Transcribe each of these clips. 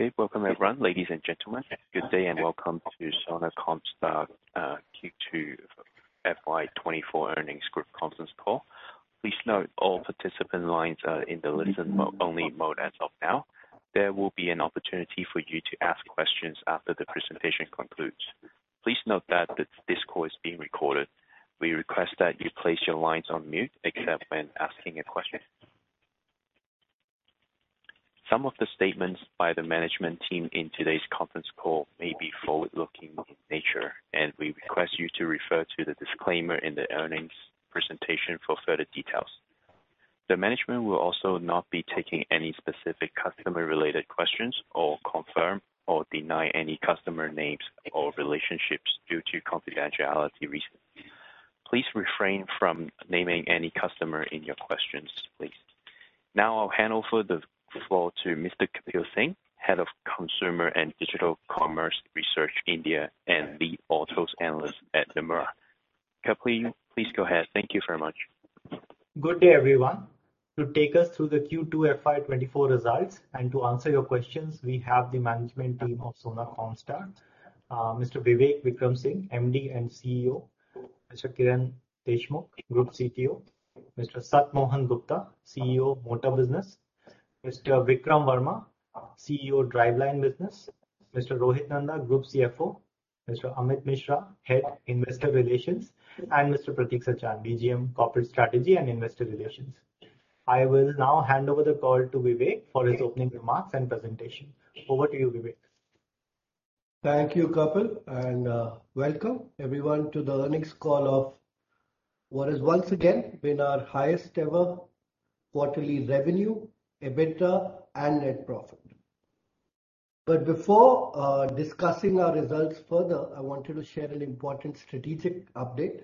Okay, welcome, everyone. Ladies and gentlemen, good day, and welcome to Sona Comstar Q2 FY 2024 earnings group conference call. Please note all participant lines are in the listen-only mode as of now. There will be an opportunity for you to ask questions after the presentation concludes. Please note that this call is being recorded. We request that you place your lines on mute except when asking a question. Some of the statements by the management team in today's conference call may be forward-looking in nature, and we request you to refer to the disclaimer in the earnings presentation for further details. The management will also not be taking any specific customer-related questions or confirm or deny any customer names or relationships due to confidentiality reasons. Please refrain from naming any customer in your questions, please. Now I'll hand over the floor to Mr. Kapil Singh, Head of Consumer and Digital Commerce Research, India, and Lead Autos Analyst at Nomura. Kapil, please go ahead. Thank you very much. Good day, everyone. To take us through the Q2 FY 2024 results and to answer your questions, we have the management team of Sona Comstar. Mr. Vivek Vikram Singh, MD and CEO, Mr. Kiran Deshmukh, Group CTO, Mr. Sat Mohan Gupta, CEO, Motor Business, Mr. Vikram Varma, CEO, Driveline Business, Mr. Rohit Nanda, Group CFO, Mr. Amit Mishra, Head, Investor Relations, and Mr. Prateek Sachan, DGM, Corporate Strategy and Investor Relations. I will now hand over the call to Vivek for his opening remarks and presentation. Over to you, Vivek. Thank you, Kapil, and welcome everyone to the earnings call of what has once again been our highest ever quarterly revenue, EBITDA, and net profit. But before discussing our results further, I wanted to share an important strategic update.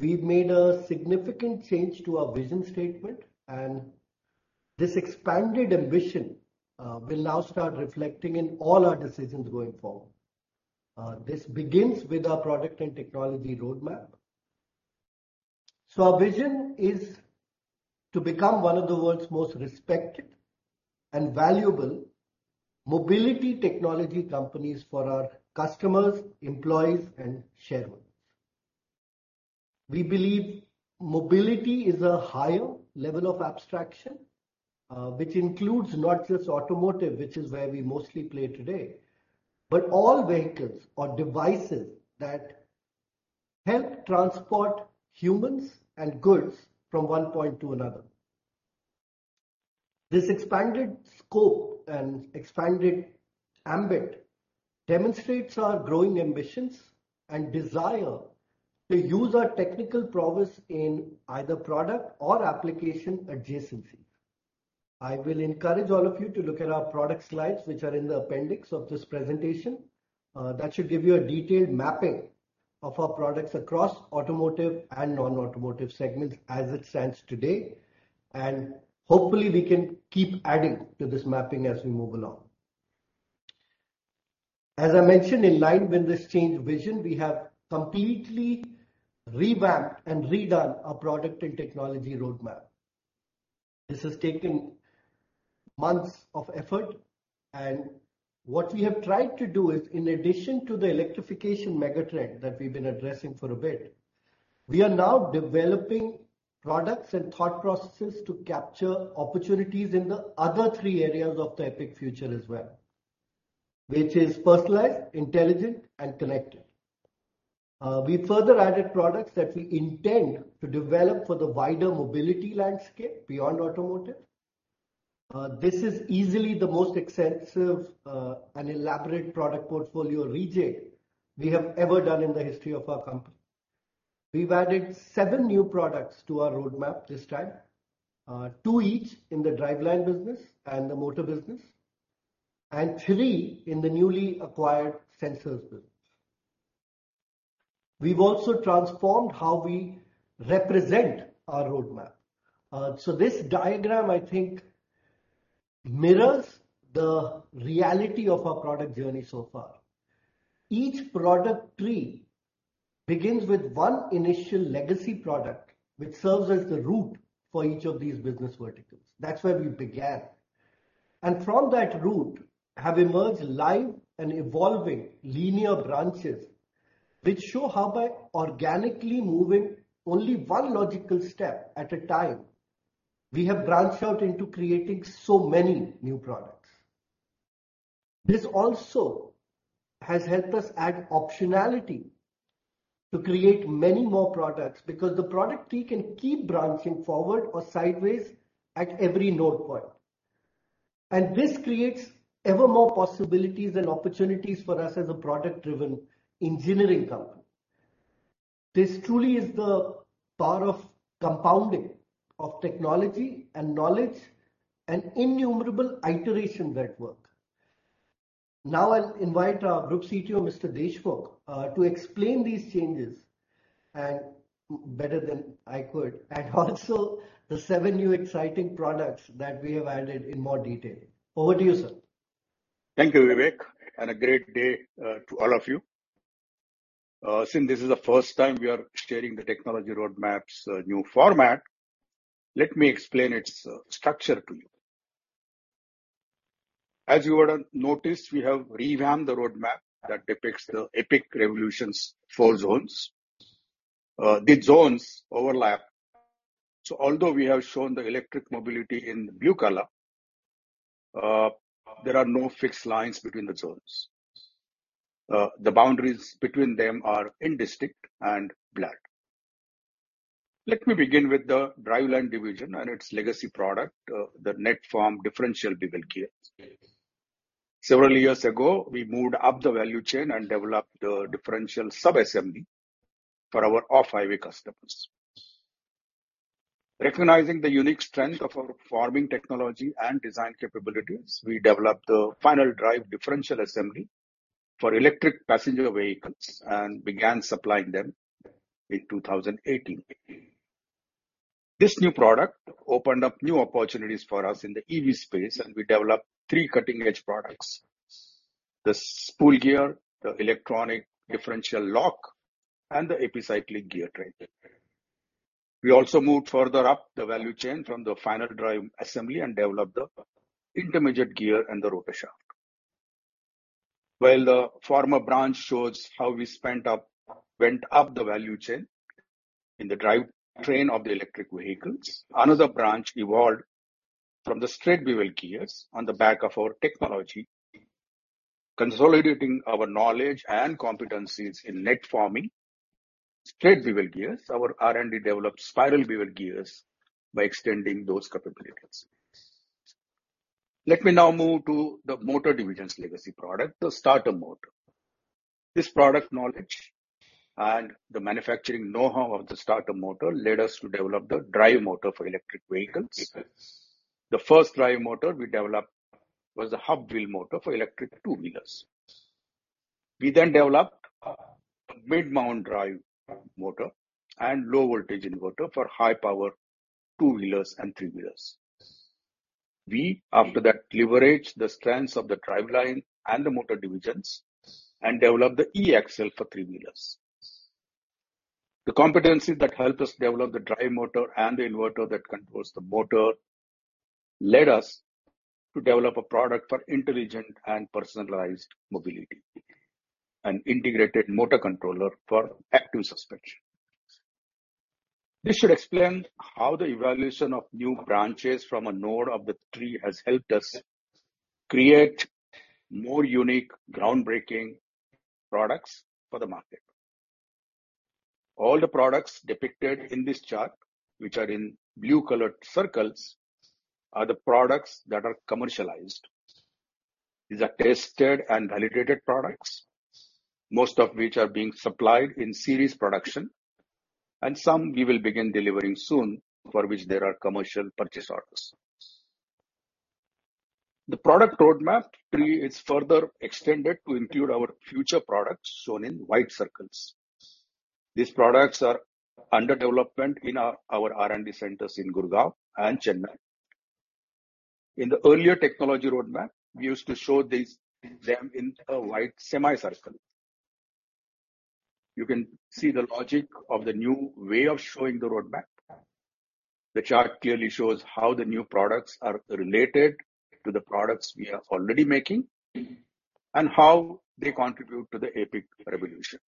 We've made a significant change to our vision statement, and this expanded ambition will now start reflecting in all our decisions going forward. This begins with our product and technology roadmap. So our vision is to become one of the world's most respected and valuable mobility technology companies for our customers, employees, and shareholders. We believe mobility is a higher level of abstraction, which includes not just automotive, which is where we mostly play today, but all vehicles or devices that help transport humans and goods from one point to another. This expanded scope and expanded ambit demonstrates our growing ambitions and desire to use our technical prowess in either product or application adjacency. I will encourage all of you to look at our product slides, which are in the appendix of this presentation. That should give you a detailed mapping of our products across automotive and non-automotive segments as it stands today, and hopefully, we can keep adding to this mapping as we move along. As I mentioned, in line with this changed vision, we have completely revamped and redone our product and technology roadmap. This has taken months of effort, and what we have tried to do is, in addition to the electrification mega trend that we've been addressing for a bit, we are now developing products and thought processes to capture opportunities in the other three areas of the EPIC future as well, which is personalized, intelligent, and connected. We further added products that we intend to develop for the wider mobility landscape beyond automotive. This is easily the most extensive, and elaborate product portfolio rejig we have ever done in the history of our company. We've added seven new products to our roadmap this time, two each in the driveline business and the motor business, and three in the newly acquired sensors business. We've also transformed how we represent our roadmap. So this diagram, I think, mirrors the reality of our product journey so far. Each product tree begins with one initial legacy product, which serves as the root for each of these business verticals. That's where we began. And from that root have emerged live and evolving linear branches, which show how by organically moving only one logical step at a time, we have branched out into creating so many new products. This also has helped us add optionality to create many more products, because the product tree can keep branching forward or sideways at every node point. And this creates ever more possibilities and opportunities for us as a product-driven engineering company. This truly is the power of compounding, of technology and knowledge, and innumerable iteration network. Now I'll invite our Group CTO, Mr. Deshmukh, to explain these changes and better than I could, and also the seven new exciting products that we have added in more detail. Over to you, sir. Thank you, Vivek, and a great day to all of you. Since this is the first time we are sharing the technology roadmaps, new format, let me explain its structure to you. As you would have noticed, we have revamped the roadmap that depicts the EPIC revolution's four zones. The zones overlap, so although we have shown the electric mobility in blue color, there are no fixed lines between the zones. The boundaries between them are indistinct and blurred. Let me begin with the driveline division and its legacy product, the Net Form Differential Bevel Gears. Several years ago, we moved up the value chain and developed the differential sub-assembly for our off-highway customers. Recognizing the unique strength of our forming technology and design capabilities, we developed the final drive differential assembly for electric passenger vehicles and began supplying them in 2018. This new product opened up new opportunities for us in the EV space, and we developed three cutting-edge products: the Spool Gear, the Electronic Differential Lock, and the epicyclic Gear Train. We also moved further up the value chain from the final drive assembly and developed the intermediate gear and the Rotor Shaft. While the former branch shows how we went up the value chain in the drive train of the electric vehicles, another branch evolved from the straight bevel gears on the back of our technology, consolidating our knowledge and competencies in net forming straight bevel gears, our R&D developed Spiral Bevel Gears by extending those capabilities. Let me now move to the motor division's legacy product, the Starter Motor. This product knowledge and the manufacturing know-how of the Starter Motor led us to develop the drive motor for electric vehicles. The first drive motor we developed was a hub wheel motor for electric two-wheelers. We then developed, mid-mount drive motor and low voltage inverter for high power two-wheelers and three-wheelers. We, after that, leveraged the strengths of the driveline and the motor divisions and developed the E-Axle for three-wheelers. The competencies that helped us develop the drive motor and the inverter that controls the motor, led us to develop a product for intelligent and personalized mobility, an integrated motor controller for active suspension. This should explain how the evaluation of new branches from a node of the tree has helped us create more unique, groundbreaking products for the market. All the products depicted in this chart, which are in blue-colored circles, are the products that are commercialized. These are tested and validated products, most of which are being supplied in series production, and some we will begin delivering soon, for which there are commercial purchase orders. The product roadmap tree is further extended to include our future products, shown in white circles. These products are under development in our R&D centers in Gurgaon and Chennai. In the earlier technology roadmap, we used to show them in a white semicircle. You can see the logic of the new way of showing the roadmap. The chart clearly shows how the new products are related to the products we are already making, and how they contribute to the EPIC revolution.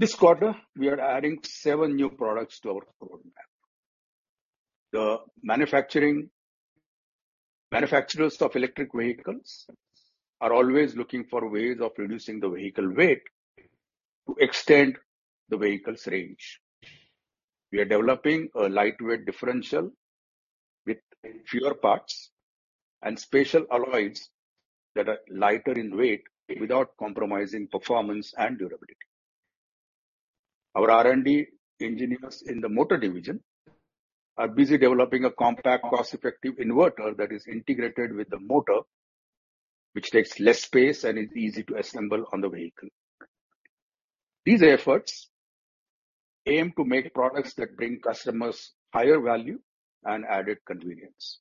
This quarter, we are adding seven new products to our roadmap. The manufacturers of electric vehicles are always looking for ways of reducing the vehicle weight to extend the vehicle's range. We are developing a lightweight differential with fewer parts and special alloys that are lighter in weight without compromising performance and durability. Our R&D engineers in the motor division are busy developing a compact, cost-effective inverter that is integrated with the motor, which takes less space and is easy to assemble on the vehicle. These efforts aim to make products that bring customers higher value and added convenience.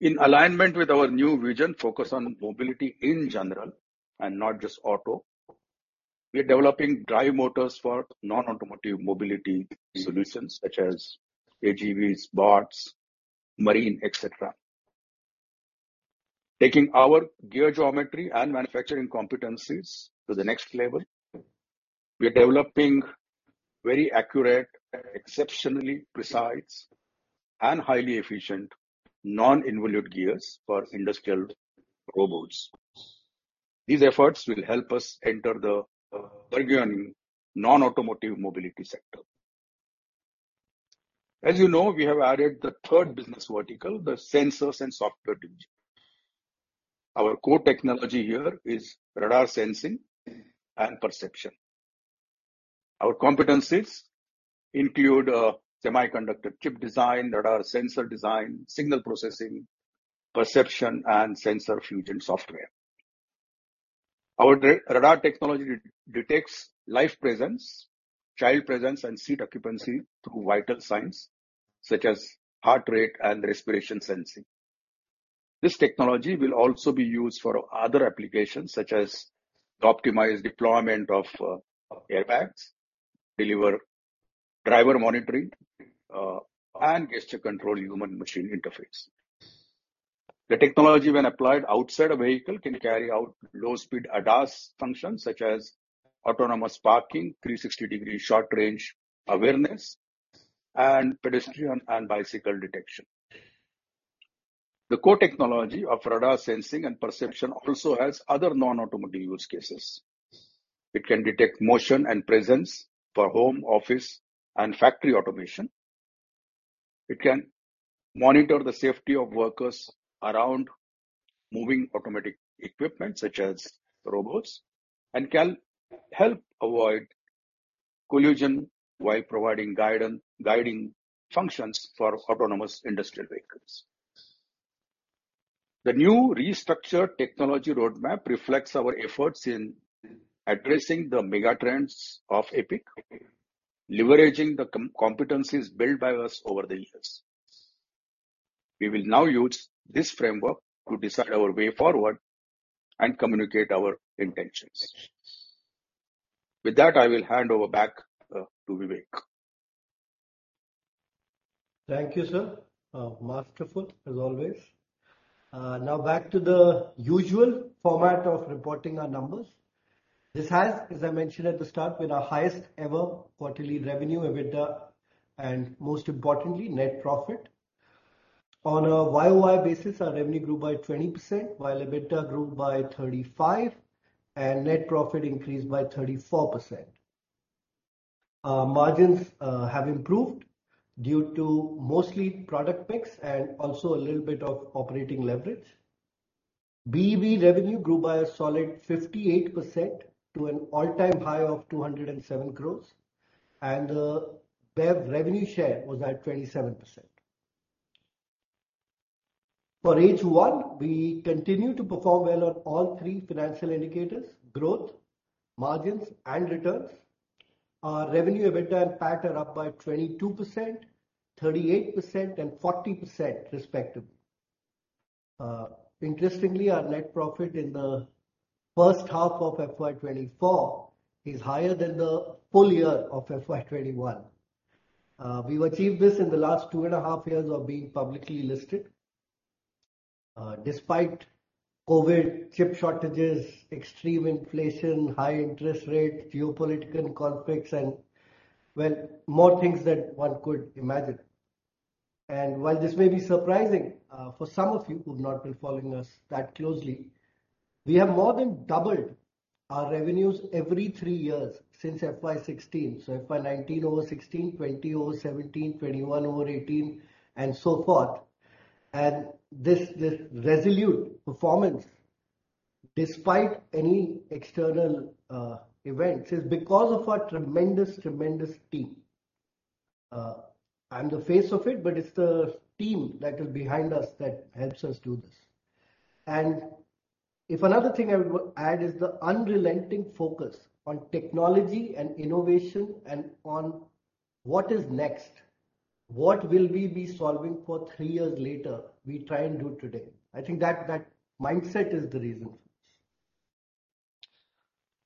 In alignment with our new vision, focused on mobility in general, and not just auto, we are developing drive motors for non-automotive mobility solutions such as AGVs, bots, marine, et cetera. Taking our gear geometry and manufacturing competencies to the next level, we are developing very accurate, exceptionally precise, and highly efficient non-involute gears for industrial robots. These efforts will help us enter the burgeoning non-automotive mobility sector. As you know, we have added the third business vertical, the sensors and software division. Our core technology here is radar sensing and perception. Our competencies include semiconductor chip design, radar sensor design, signal processing, perception, and sensor fusion software. Our radar technology detects life presence, child presence, and seat occupancy through vital signs such as heart rate and respiration sensing. This technology will also be used for other applications, such as optimized deployment of airbags, driver monitoring, and gesture control human-machine interface. The technology, when applied outside a vehicle, can carry out low-speed ADAS functions, such as autonomous parking, 360-degree short-range awareness, and pedestrian and bicycle detection. The core technology of radar sensing and perception also has other non-automotive use cases. It can detect motion and presence for home, office, and factory automation. It can monitor the safety of workers around moving automatic equipment, such as robots, and can help avoid collision while providing guiding functions for autonomous industrial vehicles. The new restructured technology roadmap reflects our efforts in addressing the mega trends of EPIC, leveraging the competencies built by us over the years. We will now use this framework to decide our way forward and communicate our intentions. With that, I will hand over back to Vivek. Thank you, sir. Masterful, as always. Now back to the usual format of reporting our numbers. This has, as I mentioned at the start, been our highest ever quarterly revenue, EBITDA, and most importantly, net profit. On a YOY basis, our revenue grew by 20%, while EBITDA grew by 35%, and net profit increased by 34%. Margins have improved due to mostly product mix and also a little bit of operating leverage. BEV revenue grew by a solid 58% to an all-time high of 207 crores, and BEV revenue share was at 27%. For H1, we continue to perform well on all three financial indicators: growth, margins, and returns. Our revenue, EBITDA, and PAT are up by 22%, 38%, and 40%, respectively. Interestingly, our net profit in the first half of FY 2024 is higher than the full year of FY 2021. We've achieved this in the last two and a half years of being publicly listed, despite COVID, chip shortages, extreme inflation, high interest rate, geopolitical conflicts and, well, more things than one could imagine. While this may be surprising for some of you who've not been following us that closely, we have more than doubled our revenues every three years since FY 2016. So FY 2019 over 2016, 2020 over 2017, 2021 over 2018, and so forth. This, this resolute performance, despite any external events, is because of our tremendous, tremendous team. I'm the face of it, but it's the team that is behind us that helps us do this. If another thing I would add is the unrelenting focus on technology and innovation and on what is next, what will we be solving for 3 years later, we try and do today. I think that, that mindset is the reason for this.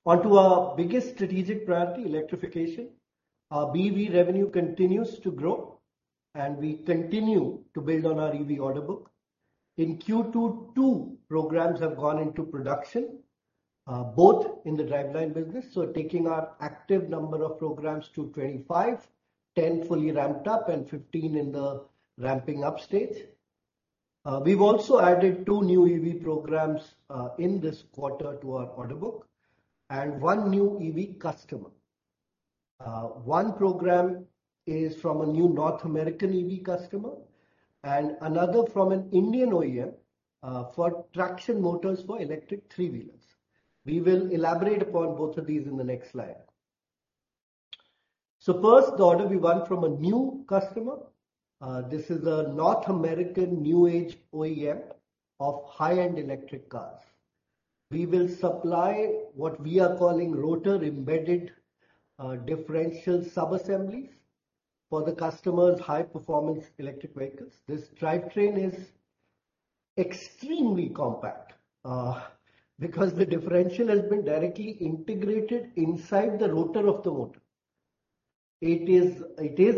On to our biggest strategic priority, electrification. Our BEV revenue continues to grow, and we continue to build on our EV order book. In Q2, 2 programs have gone into production, both in the driveline business, so taking our active number of programs to 25, 10 fully ramped up and 15 in the ramping up stage. We've also added 2 new EV programs in this quarter to our order book and 1 new EV customer. One program is from a new North American EV customer and another from an Indian OEM for traction motors for electric three-wheelers. We will elaborate upon both of these in the next slide. So first, the order we won from a new customer. This is a North American new age OEM of high-end electric cars. We will supply what we are calling rotor-embedded differential sub assemblies for the customer's high-performance electric vehicles. This drivetrain is extremely compact because the differential has been directly integrated inside the rotor of the motor. It is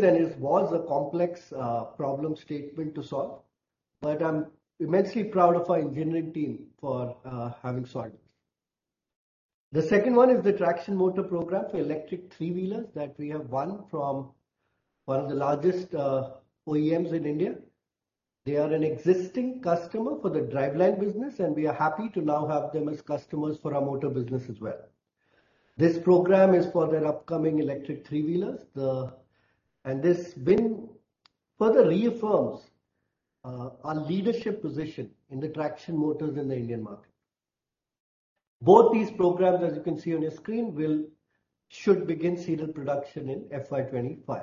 and it was a complex problem statement to solve, but I'm immensely proud of our engineering team for having solved it. The second one is the traction motor program for electric three-wheelers that we have won from one of the largest OEMs in India. They are an existing customer for the driveline business, and we are happy to now have them as customers for our motor business as well. This program is for their upcoming electric three-wheelers. This win further reaffirms our leadership position in the traction motors in the Indian market. Both these programs, as you can see on your screen, will should begin serial production in FY 2025.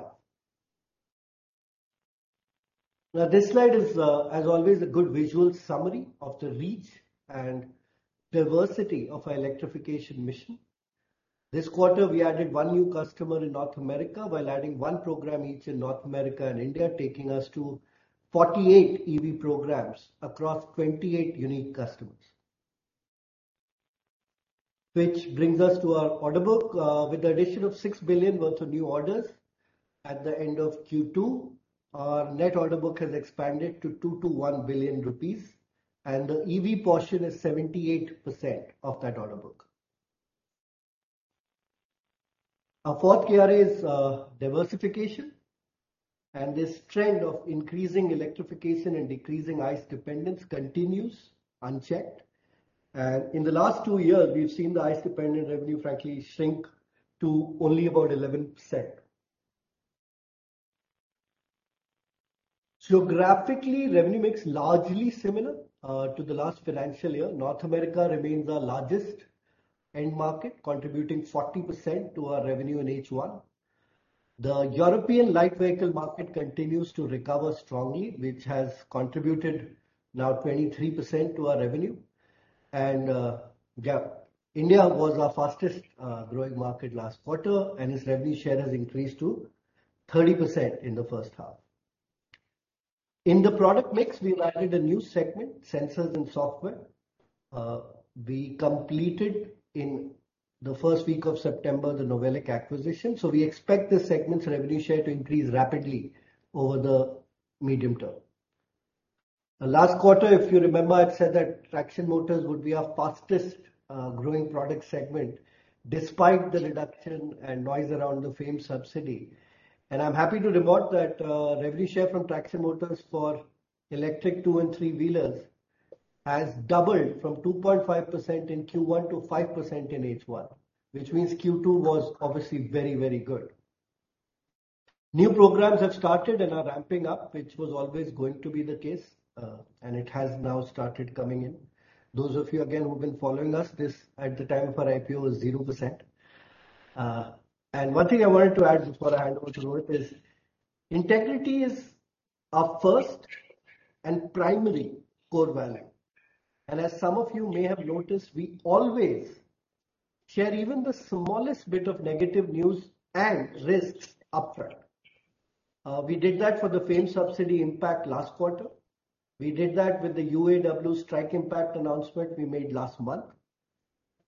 Now, this slide is, as always, a good visual summary of the reach and diversity of our electrification mission. This quarter, we added one new customer in North America, while adding one program each in North America and India, taking us to 48 EV programs across 28 unique customers. Which brings us to our order book. With the addition of 6 billion worth of new orders at the end of Q2, our net order book has expanded to 221 billion rupees, and the EV portion is 78% of that order book. Our fourth key area is diversification, and this trend of increasing electrification and decreasing ICE dependence continues unchecked. And in the last two years, we've seen the ICE-dependent revenue, frankly, shrink to only about 11%. So graphically, revenue mix largely similar to the last financial year. North America remains our largest end market, contributing 40% to our revenue in H1. The European light vehicle market continues to recover strongly, which has contributed now 23% to our revenue. And India was our fastest growing market last quarter, and its revenue share has increased to 30% in the first half. In the product mix, we've added a new segment, Sensors and Software. We completed in the first week of September, the NOVELIC acquisition, so we expect this segment's revenue share to increase rapidly over the medium term. The last quarter, if you remember, I've said that traction motors would be our fastest, growing product segment despite the reduction and noise around the FAME subsidy. And I'm happy to report that, revenue share from traction motors for electric two and three wheelers has doubled from 2.5% in Q1 to 5% in H1, which means Q2 was obviously very, very good. New programs have started and are ramping up, which was always going to be the case, and it has now started coming in. Those of you, again, who've been following us, this at the time of our IPO was 0%. One thing I wanted to add before I hand over to Rohit is integrity is our first and primary core value, and as some of you may have noticed, we always share even the smallest bit of negative news and risks upfront. We did that for the FAME subsidy impact last quarter. We did that with the UAW strike impact announcement we made last month.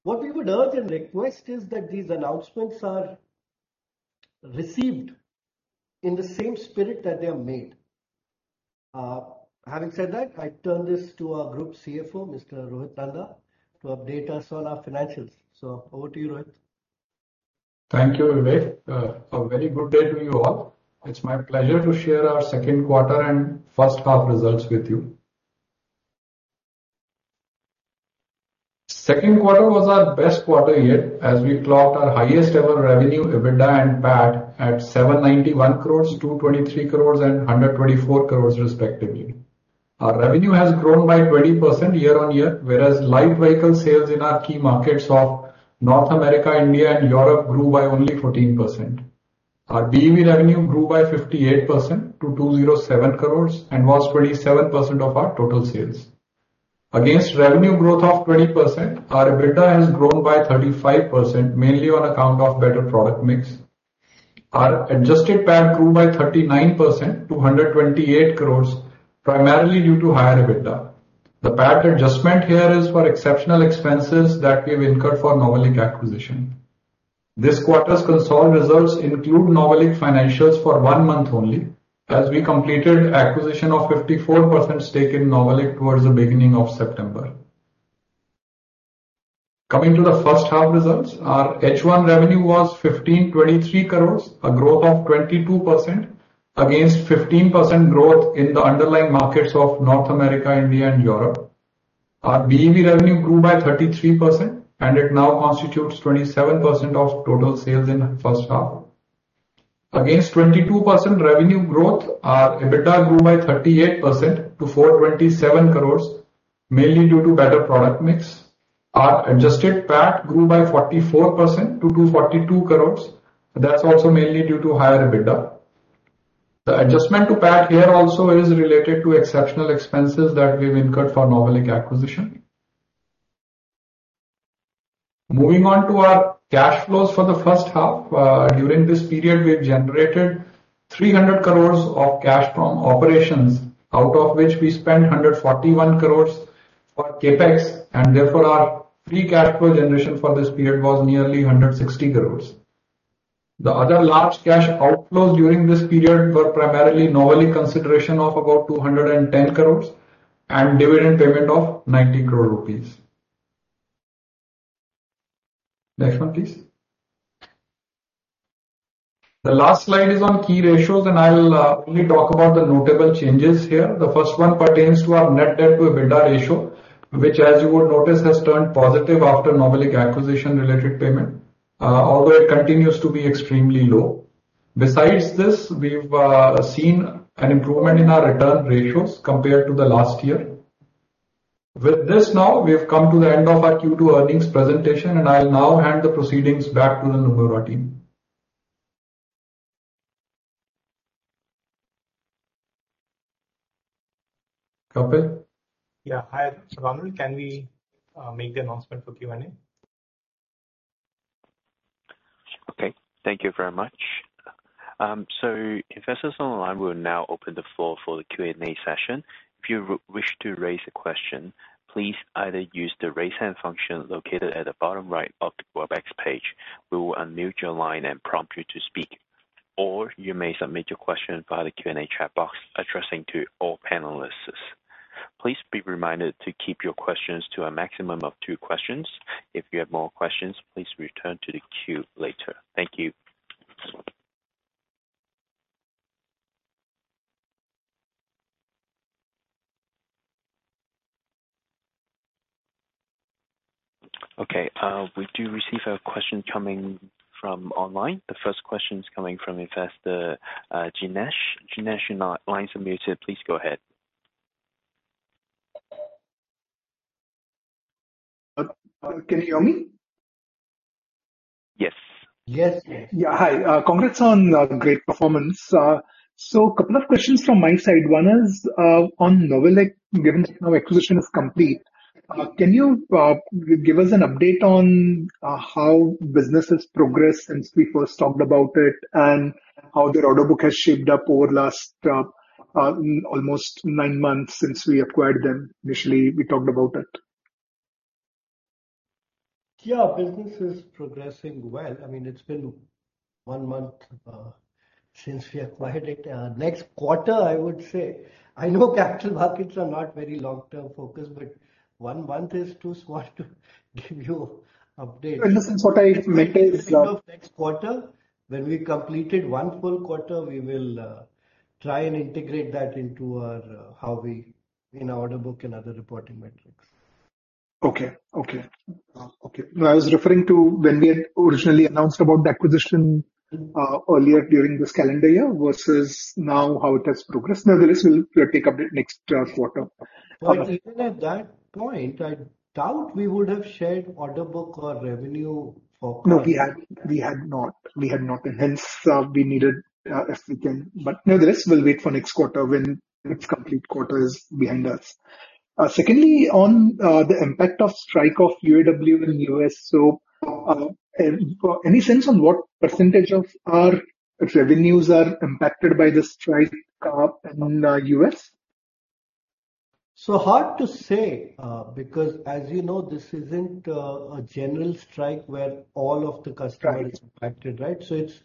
What we would urge and request is that these announcements are received in the same spirit that they are made. Having said that, I turn this to our Group CFO, Mr. Rohit Nanda, to update us on our financials. So over to you, Rohit. Thank you, Vivek. A very good day to you all. It's my pleasure to share our second quarter and first half results with you. Second quarter was our best quarter yet as we clocked our highest ever revenue, EBITDA and PAT at 791 crores, 223 crores and 124 crores, respectively. Our revenue has grown by 20% year-over-year, whereas light vehicle sales in our key markets of North America, India and Europe grew by only 14%. Our BEV revenue grew by 58% to 207 crores and was 27% of our total sales. Against revenue growth of 20%, our EBITDA has grown by 35%, mainly on account of better product mix. Our adjusted PAT grew by 39% to 128 crores, primarily due to higher EBITDA. The PAT adjustment here is for exceptional expenses that we've incurred for NOVELIC acquisition. This quarter's consolidated results include NOVELIC financials for one month only, as we completed acquisition of 54% stake in NOVELIC towards the beginning of September. Coming to the first half results, our H1 revenue was 1,523 crore, a growth of 22% against 15% growth in the underlying markets of North America, India and Europe. Our BEV revenue grew by 33%, and it now constitutes 27% of total sales in the first half. Against 22% revenue growth, our EBITDA grew by 38% to 427 crore, mainly due to better product mix. Our adjusted PAT grew by 44% to 242 crore. That's also mainly due to higher EBITDA. The adjustment to PAT here also is related to exceptional expenses that we've incurred for NOVELIC acquisition. Moving on to our cash flows for the first half. During this period, we've generated 300 crores of cash from operations, out of which we spent 141 crores for CapEx, and therefore our free cash flow generation for this period was nearly 160 crores. The other large cash outflows during this period were primarily NOVELIC consideration of about 210 crores and dividend payment of 90 crore rupees. Next one, please. The last slide is on key ratios, and I'll only talk about the notable changes here. The first one pertains to our net debt to EBITDA ratio, which, as you would notice, has turned positive after NOVELIC acquisition related payment, although it continues to be extremely low. Besides this, we've seen an improvement in our return ratios compared to the last year. With this now, we have come to the end of our Q2 earnings presentation, and I'll now hand the proceedings back to the Nomura team. Kapil? Yeah. Hi, Savanur, can we make the announcement for Q&A? Okay, thank you very much. So investors on the line, we'll now open the floor for the Q&A session. If you wish to raise a question, please either use the Raise Hand function located at the bottom right of the WebEx page. We will unmute your line and prompt you to speak, or you may submit your question via the Q&A chat box, addressing to all panelists. Please be reminded to keep your questions to a maximum of two questions. If you have more questions, please return to the queue later. Thank you. Okay, we do receive a question coming from online. The first question is coming from investor Jinesh. Jinesh, your line is unmuted. Please go ahead. Can you hear me? Yes. Yes, yes. Yeah. Hi, congrats on great performance. So couple of questions from my side. One is on NOVELIC, given our acquisition is complete, can you give us an update on how business has progressed since we first talked about it, and how their order book has shaped up over last almost nine months since we acquired them? Initially, we talked about it. Yeah, business is progressing well. I mean, it's been one month since we acquired it. Next quarter, I would say, I know capital markets are not very long-term focused, but one month is too small to give you updates. Well, listen, what I meant is. Next quarter, when we completed one full quarter, we will try and integrate that into our how we in our order book and other reporting metrics. Okay. Okay. Okay. No, I was referring to when we had originally announced about the acquisition, earlier during this calendar year versus now, how it has progressed. Nevertheless, we'll take update next quarter. Well, even at that point, I doubt we would have shared order book or revenue for. No, we had, we had not. We had not, and hence, we needed, as we can. But nevertheless, we'll wait for next quarter when next complete quarter is behind us. Secondly, on, the impact of strike of UAW in the US, so, any sense on what percentage of our revenues are impacted by the strike, among the U.S? So hard to say, because, as you know, this isn't a general strike where all of the customers-are impacted, right? So it's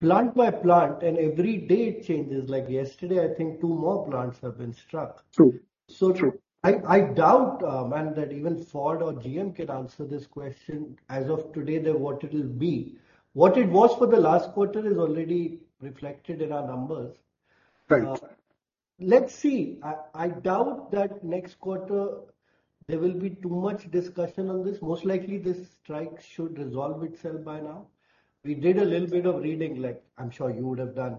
plant by plant, and every day it changes. Like, yesterday, I think two more plants have been struck. True. So true. I doubt, man, that even Ford or GM can answer this question, as of today, that what it'll be. What it was for the last quarter is already reflected in our numbers. Right. Let's see. I doubt that next quarter there will be too much discussion on this. Most likely, this strike should resolve itself by now. We did a little bit of reading, like I'm sure you would have done.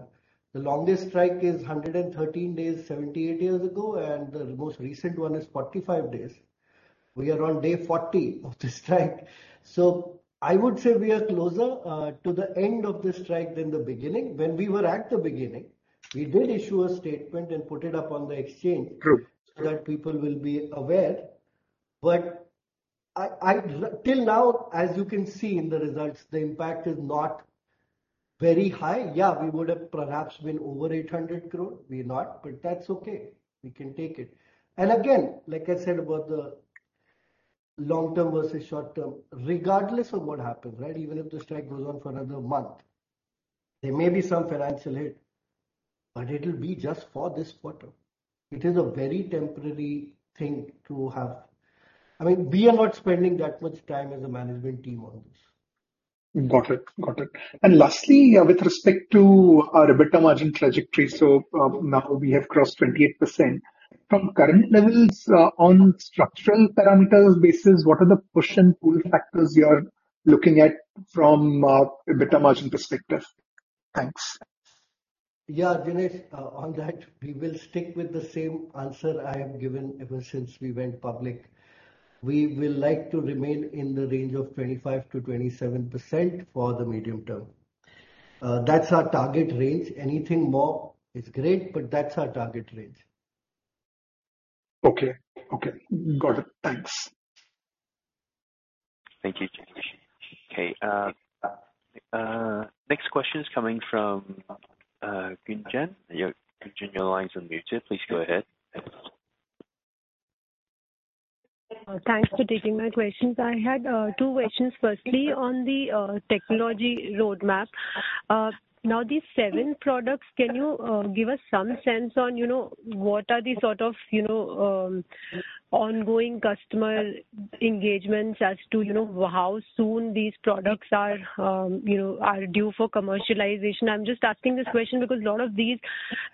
The longest strike is 113 days, 78 years ago, and the most recent one is 45 days. We are on day 40 of the strike. So I would say we are closer to the end of the strike than the beginning. When we were at the beginning, we did issue a statement and put it up on the exchange True. So that people will be aware. But till now, as you can see in the results, the impact is not very high. Yeah, we would have perhaps been over 800 crore. We're not, but that's okay. We can take it. And again, like I said, about the long term versus short term, regardless of what happens, right, even if the strike goes on for another month, there may be some financial hit, but it'll be just for this quarter. It is a very temporary thing to have. I mean, we are not spending that much time as a management team on this. Got it. Got it. And lastly, with respect to our EBITDA margin trajectory, so, now we have crossed 28%. From current levels, on structural parameters basis, what are the push and pull factors you are looking at from EBITDA margin perspective? Thanks. Yeah, Jinesh, on that, we will stick with the same answer I have given ever since we went public. We will like to remain in the range of 25%-27% for the medium term. That's our target range. Anything more is great, but that's our target range. Okay. Okay, got it. Thanks. Thank you, Jinesh. Okay, next question is coming from Gunjan. Yeah, Gunjan, your line is unmuted. Please go ahead. Thanks for taking my questions. I had two questions. Firstly, on the technology roadmap. Now, these seven products, can you give us some sense on, you know, what are the sort of, you know, ongoing customer engagements as to, you know, how soon these products are, you know, are due for commercialization? I'm just asking this question because a lot of these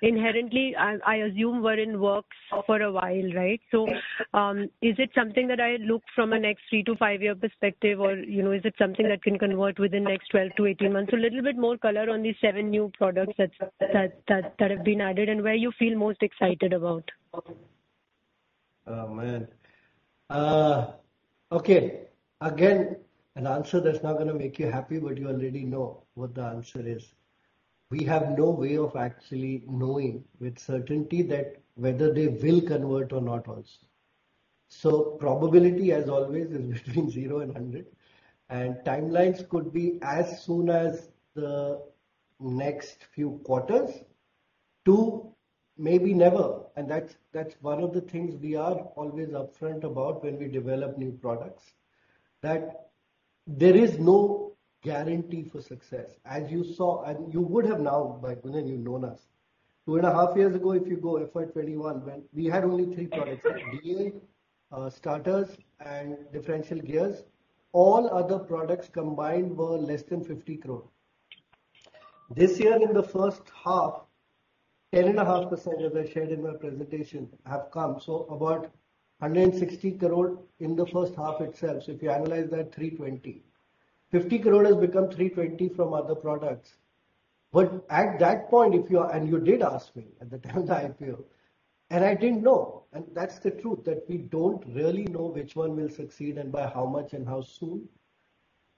inherently, I assume, were in works for a while, right? So, is it something that I look from a next three to five-year perspective, or, you know, is it something that can convert within the next 12-18 months? A little bit more color on these seven new products that have been added and where you feel most excited about. Oh, man! Okay, again, an answer that's not gonna make you happy, but you already know what the answer is. We have no way of actually knowing with certainty that whether they will convert or not also. So probability, as always, is between zero and 100, and timelines could be as soon as the next few quarters to maybe never. And that's, that's one of the things we are always upfront about when we develop new products, that there is no guarantee for success. As you saw, and you would have now, by then you've known us. Two and a half years ago, if you go FY 2021, when we had only three products, DA, starters and differential gears, all other products combined were less than 50 crore. This year, in the first half, 10.5%, as I shared in my presentation, have come, so about 160 crore in the first half itself. So if you annualize that, 320. 50 crore has become 320 from other products. But at that point, if you are, and you did ask me at the time of the IPO, and I didn't know, and that's the truth, that we don't really know which one will succeed and by how much and how soon.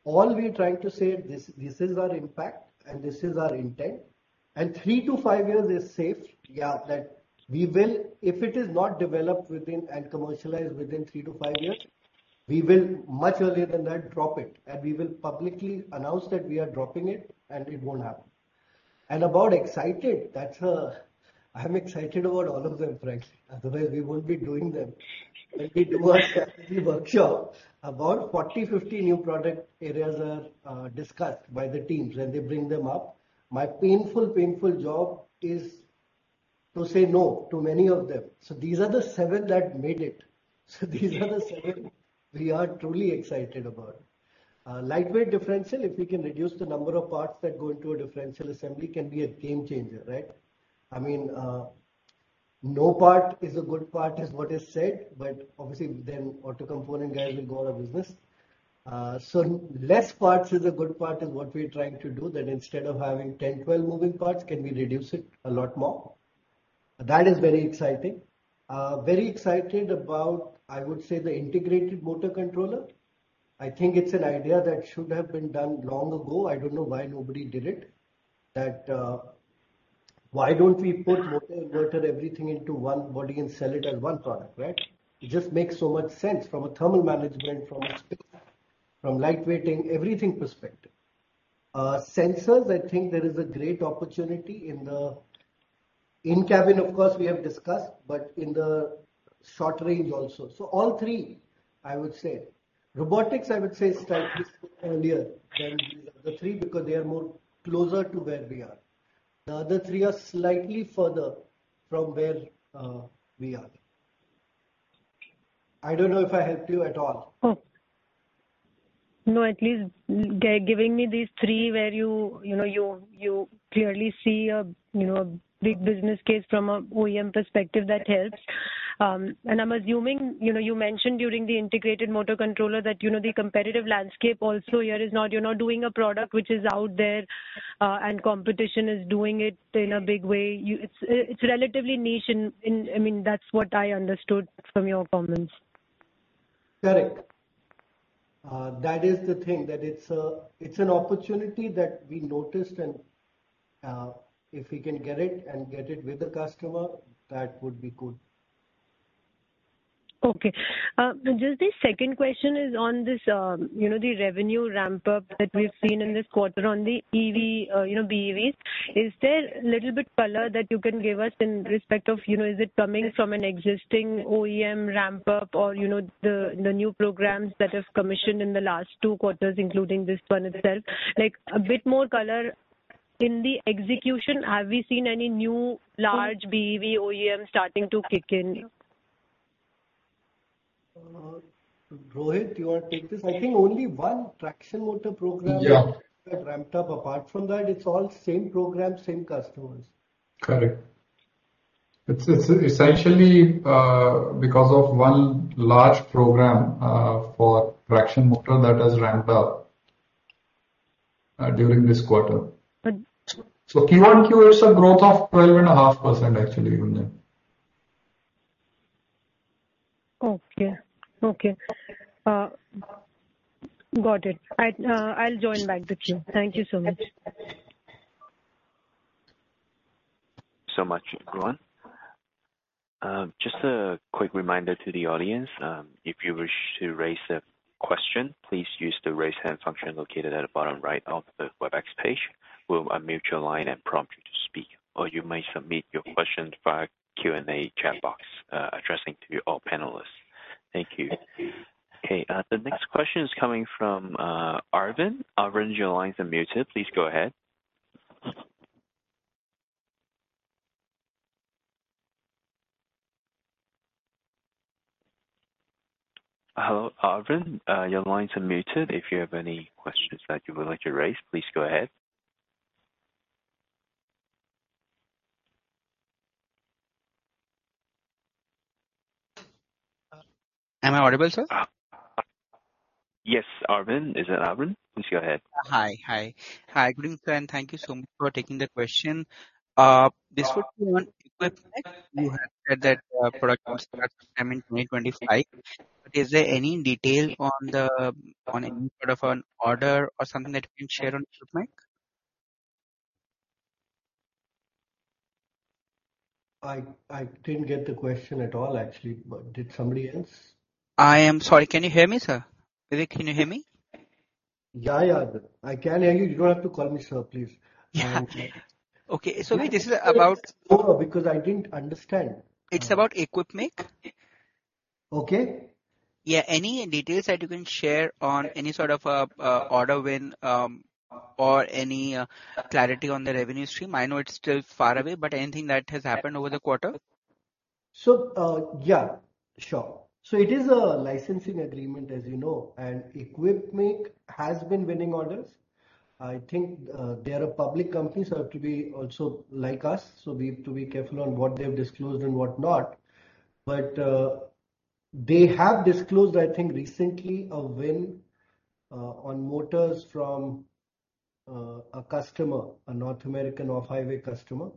All we're trying to say, this, this is our impact and this is our intent. And three to five years is safe, yeah, that we will. If it is not developed within, and commercialized within three to five years, we will, much earlier than that, drop it, and we will publicly announce that we are dropping it, and it won't happen. About excited, that's I'm excited about all of them, frankly, otherwise we won't be doing them. When we do our strategy workshop, about 40, 50 new product areas are discussed by the teams, and they bring them up. My painful, painful job is to say no to many of them. So these are the seven that made it. So these are the seven we are truly excited about. Lightweight differential, if we can reduce the number of parts that go into a differential assembly, can be a game changer, right? I mean, no part is a good part, is what is said, but obviously then auto component guys will go out of business. So less parts is a good part, is what we are trying to do, that instead of having 10, 12 moving parts, can we reduce it a lot more? That is very exciting. Very excited about, I would say, the integrated motor controller. I think it's an idea that should have been done long ago. I don't know why nobody did it. That, why don't we put motor, inverter, everything into one body and sell it as one product, right? It just makes so much sense from a thermal management, from a space, from lightweighting, everything perspective. Sensors, I think there is a great opportunity in the in-cabin, of course, we have discussed, but in the short-range also. So all three, I would say. Robotics, I would say, is slightly earlier than the other three, because they are more closer to where we are. The other three are slightly further from where we are. I don't know if I helped you at all. Oh, no, at least giving me these three where you, you know, you, you clearly see a, you know, a big business case from a OEM perspective, that helps. And I'm assuming, you know, you mentioned during the integrated motor controller that, you know, the competitive landscape also here is not, you're not doing a product which is out there, and competition is doing it in a big way. It's relatively niche in, I mean, that's what I understood from your comments. Correct. That is the thing, that it's a, it's an opportunity that we noticed, and, if we can get it and get it with the customer, that would be good. Okay. Just the second question is on this, you know, the revenue ramp-up that we've seen in this quarter on the EV, you know, BEVs. Is there little bit color that you can give us in respect of, you know, is it coming from an existing OEM ramp-up or, you know, the new programs that have commissioned in the last two quarters, including this one itself? Like, a bit more color in the execution, have we seen any new large BEV OEM starting to kick in? Rohit, you want to take this? I think only one traction motor program. Yeah. Got ramped up. Apart from that, it's all the same program, same customers. Correct. It's essentially because of one large program for traction motor that has ramped up during this quarter. Good. Q1, Q2, it's a growth of 12.5%, actually, even then. Okay. Okay. Got it. I, I'll join back the queue. Thank you so much. So much, everyone. Just a quick reminder to the audience, if you wish to raise a question, please use the Raise Hand function located at the bottom right of the WebEx page. We'll unmute your line and prompt you to speak, or you may submit your question via Q&A chat box, addressing to all panelists. Thank you. Thank you. Okay, the next question is coming from Arvind. Arvind, your lines unmuted. Please go ahead. Hello, Arvind, your lines unmuted. If you have any questions that you would like to raise, please go ahead. Am I audible, sir? Yes, Arvind. Is that Arvind? Please go ahead. Hi. Hi. Hi, good evening, sir, and thank you so much for taking the question. This would be on Equipmake. You have said that product will start sometime in 2025. But is there any detail on any sort of an order or something that you can share on Equipmake? I didn't get the question at all, actually. But did somebody else? I am sorry. Can you hear me, sir? Vivek, can you hear me? Yeah, yeah. I can hear you. You don't have to call me sir, please. Okay, so Vivek, this is about. No, no, because I didn't understand. It's about Equipmake. Okay. Yeah. Any details that you can share on any sort of order win, or any clarity on the revenue stream? I know it's still far away, but anything that has happened over the quarter. So, yeah, sure. So it is a licensing agreement, as you know, and Equipmake has been winning orders. I think, they are a public company, so I have to be also like us, so we have to be careful on what they've disclosed and what not. But, they have disclosed, I think recently, a win, on motors from, a customer, a North American off-highway customer,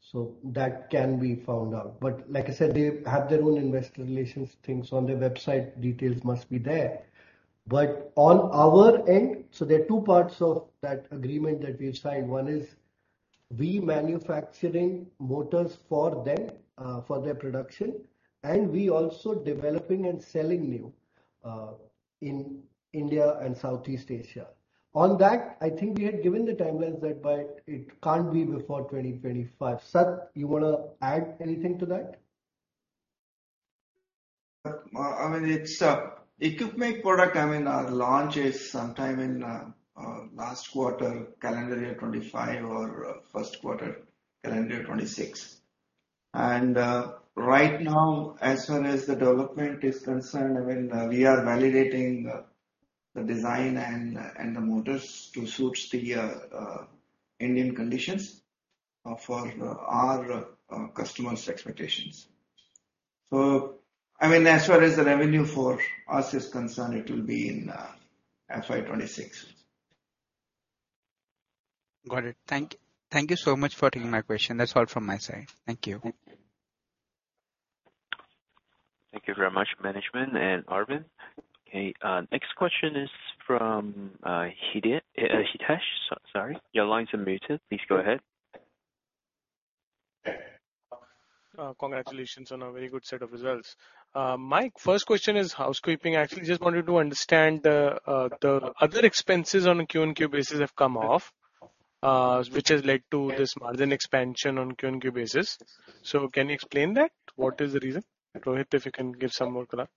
so that can be found out. But like I said, they have their own investor relations things on their website, details must be there. But on our end, so there are two parts of that agreement that we have signed. One is we manufacturing motors for them, for their production, and we also developing and selling new, in India and Southeast Asia. On that, I think we had given the timeline that by. It can't be before 2025. Sat, you want to add anything to that? I mean, it's Equipmake product. I mean, launch is sometime in last quarter, calendar year 2025 or first quarter, calendar year 2026. And right now, as far as the development is concerned, I mean, we are validating the design and the motors to suit the Indian conditions for our customers' expectations. So, I mean, as far as the revenue for us is concerned, it will be in FY 2026. Got it. Thank you so much for taking my question. That's all from my side. Thank you. Thank you very much, management and Arvind. Okay, next question is from Hitesh. Sorry, your lines are muted. Please go ahead. Congratulations on a very good set of results. My first question is housekeeping. I actually just wanted to understand, the other expenses on a Q&Q basis have come off, which has led to this margin expansion on Q&Q basis. So can you explain that? What is the reason? Rohit, if you can give some more color.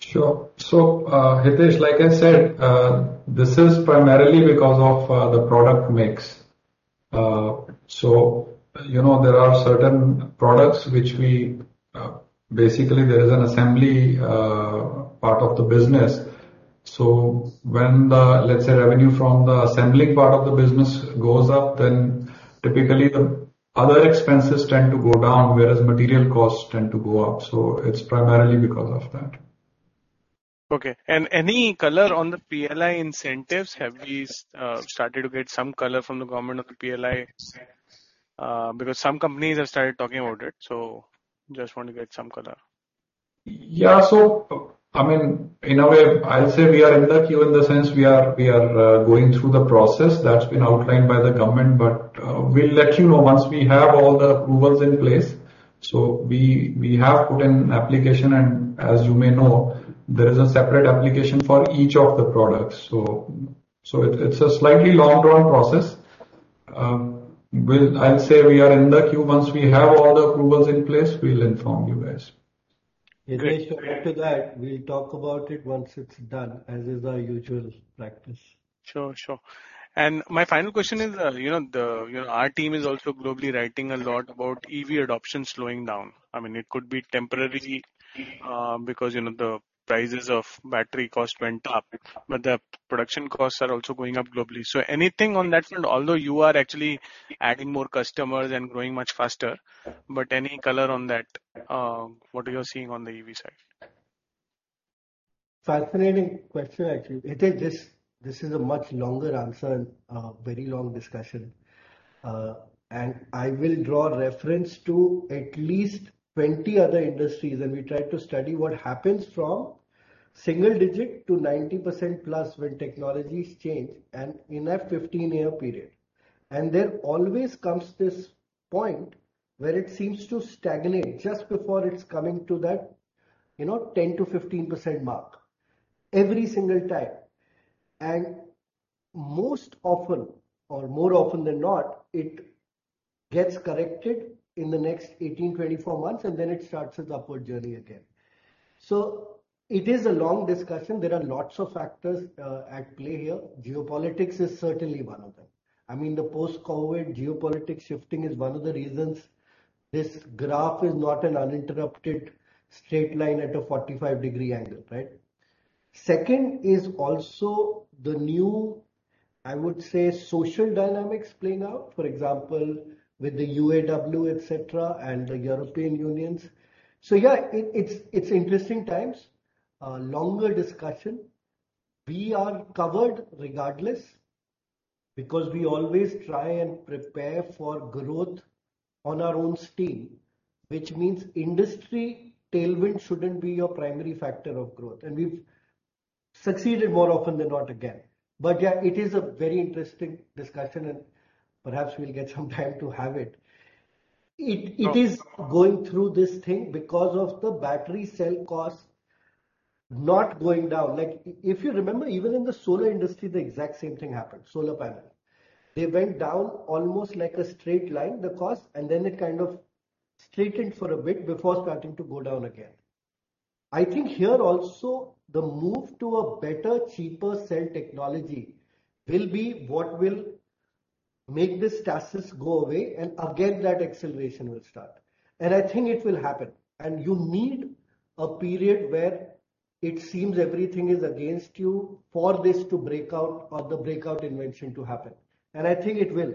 Sure. So, Hitesh, like I said, this is primarily because of the product mix. So, you know, there are certain products which we basically, there is an assembly part of the business. So when the, let's say, revenue from the assembling part of the business goes up, then typically the other expenses tend to go down, whereas material costs tend to go up. So it's primarily because of that. Okay. Any color on the PLI incentives? Have we started to get some color from the government of the PLI? Because some companies have started talking about it, so just want to get some color. Yeah. So, I mean, in a way, I'll say we are in the queue in the sense we are going through the process that's been outlined by the government, but we'll let you know once we have all the approvals in place. So we have put in application, and as you may know, there is a separate application for each of the products. So it's a slightly long-drawn process. I'll say we are in the queue. Once we have all the approvals in place, we'll inform you guys. Great. Hitesh, to add to that, we'll talk about it once it's done, as is our usual practice. Sure, sure. And my final question is, you know, our team is also globally writing a lot about EV adoption slowing down. I mean, it could be temporarily, because, you know, the prices of battery cost went up, but the production costs are also going up globally. So anything on that front, although you are actually adding more customers and growing much faster, but any color on that, what you're seeing on the EV side? Fascinating question, actually. Hitesh, this, this is a much longer answer and a very long discussion. And I will draw reference to at least 20 other industries, and we tried to study what happens from single digit to 90%+ when technologies change, and in a 15-year period. And there always comes this point where it seems to stagnate just before it's coming to that, you know, 10%-15% mark, every single time. And most often or more often than not, it gets corrected in the next 18, 24 months, and then it starts its upward journey again. So it is a long discussion. There are lots of factors at play here. Geopolitics is certainly one of them. I mean, the post-COVID geopolitics shifting is one of the reasons this graph is not an uninterrupted straight line at a 45-degree angle, right? Second is also the new, I would say social dynamics play now, for example, with the UAW, et cetera, and the European unions. So yeah, it, it's, it's interesting times. Longer discussion. We are covered regardless, because we always try and prepare for growth on our own steam, which means industry tailwind shouldn't be your primary factor of growth, and we've succeeded more often than not, again. But yeah, it is a very interesting discussion, and perhaps we'll get some time to have it. It, it is going through this thing because of the battery cell cost not going down. Like if you remember, even in the solar industry, the exact same thing happened, solar panel. They went down almost like a straight line, the cost, and then it kind of straightened for a bit before starting to go down again. I think here also, the move to a better, cheaper cell technology will be what will make this stasis go away, and again, that acceleration will start. And I think it will happen. And you need a period where it seems everything is against you for this to break out or the breakout invention to happen, and I think it will.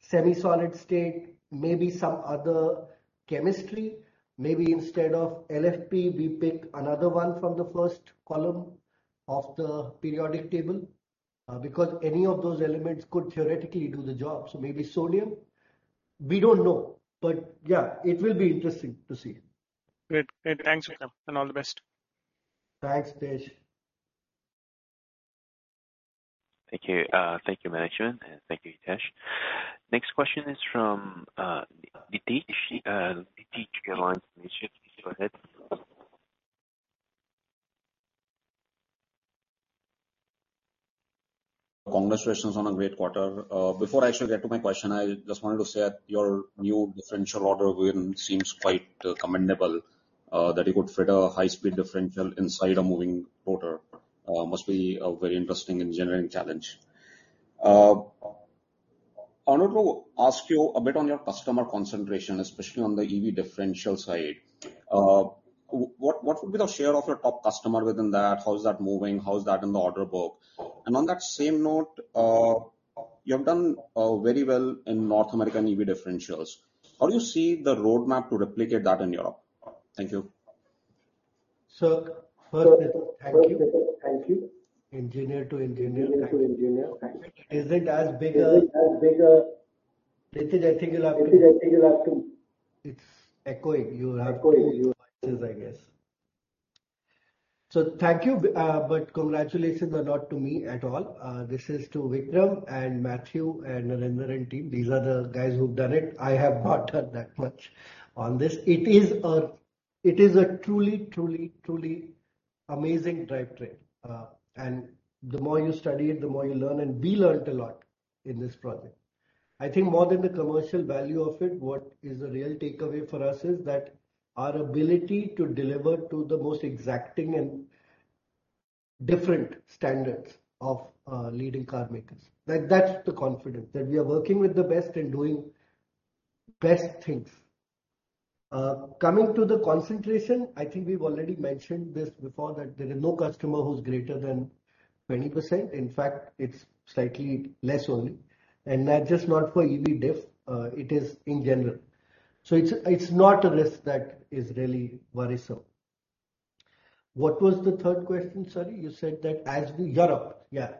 Semi-solid state, maybe some other chemistry. Maybe instead of LFP, we pick another one from the first column of the periodic table, because any of those elements could theoretically do the job. So maybe sodium. We don't know. But yeah, it will be interesting to see. Great. Great. Thanks, Vikram, and all the best. Thanks, Hitesh. Thank you. Thank you, Manesh, and thank you, Hitesh. Next question is from Nitish. Nitish, your line is unmuted. Go ahead. Congratulations on a great quarter. Before I actually get to my question, I just wanted to say that your new differential order win seems quite commendable. That you could fit a high-speed differential inside a moving rotor must be a very interesting engineering challenge. I wanted to ask you a bit on your customer concentration, especially on the EV differential side. What would be the share of your top customer within that? How is that moving? How is that in the order book? And on that same note, you have done very well in North American EV differentials. How do you see the roadmap to replicate that in Europe? Thank you. So first, thank you. Thank you. Engineer to engineer. Is it as big a... Nitish, I think you'll have to. It's echoing. You'll have to, I guess. So thank you, but congratulations are not to me at all. This is to Vikram and Matthew and Narender and team. These are the guys who've done it. I have not done that much on this. It is a truly, truly, truly amazing drivetrain. And the more you study it, the more you learn, and we learned a lot in this project. I think more than the commercial value of it, what is a real takeaway for us is that our ability to deliver to the most exacting and different standards of leading car makers. That's the confidence, that we are working with the best and doing best things. Coming to the concentration, I think we've already mentioned this before, that there is no customer who's greater than 20%. In fact, it's slightly less only. And that's just not for EV diff, it is in general. So it's, it's not a risk that is really worrisome. What was the third question, sorry? You said that as to Europe. Yeah.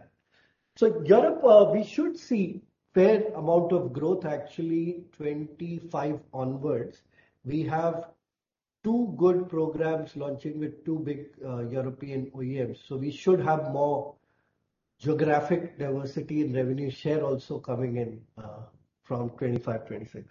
So Europe, we should see fair amount of growth, actually, 25 onwards. We have two good programs launching with two big European OEMs, so we should have more geographic diversity and revenue share also coming in from 25, 26.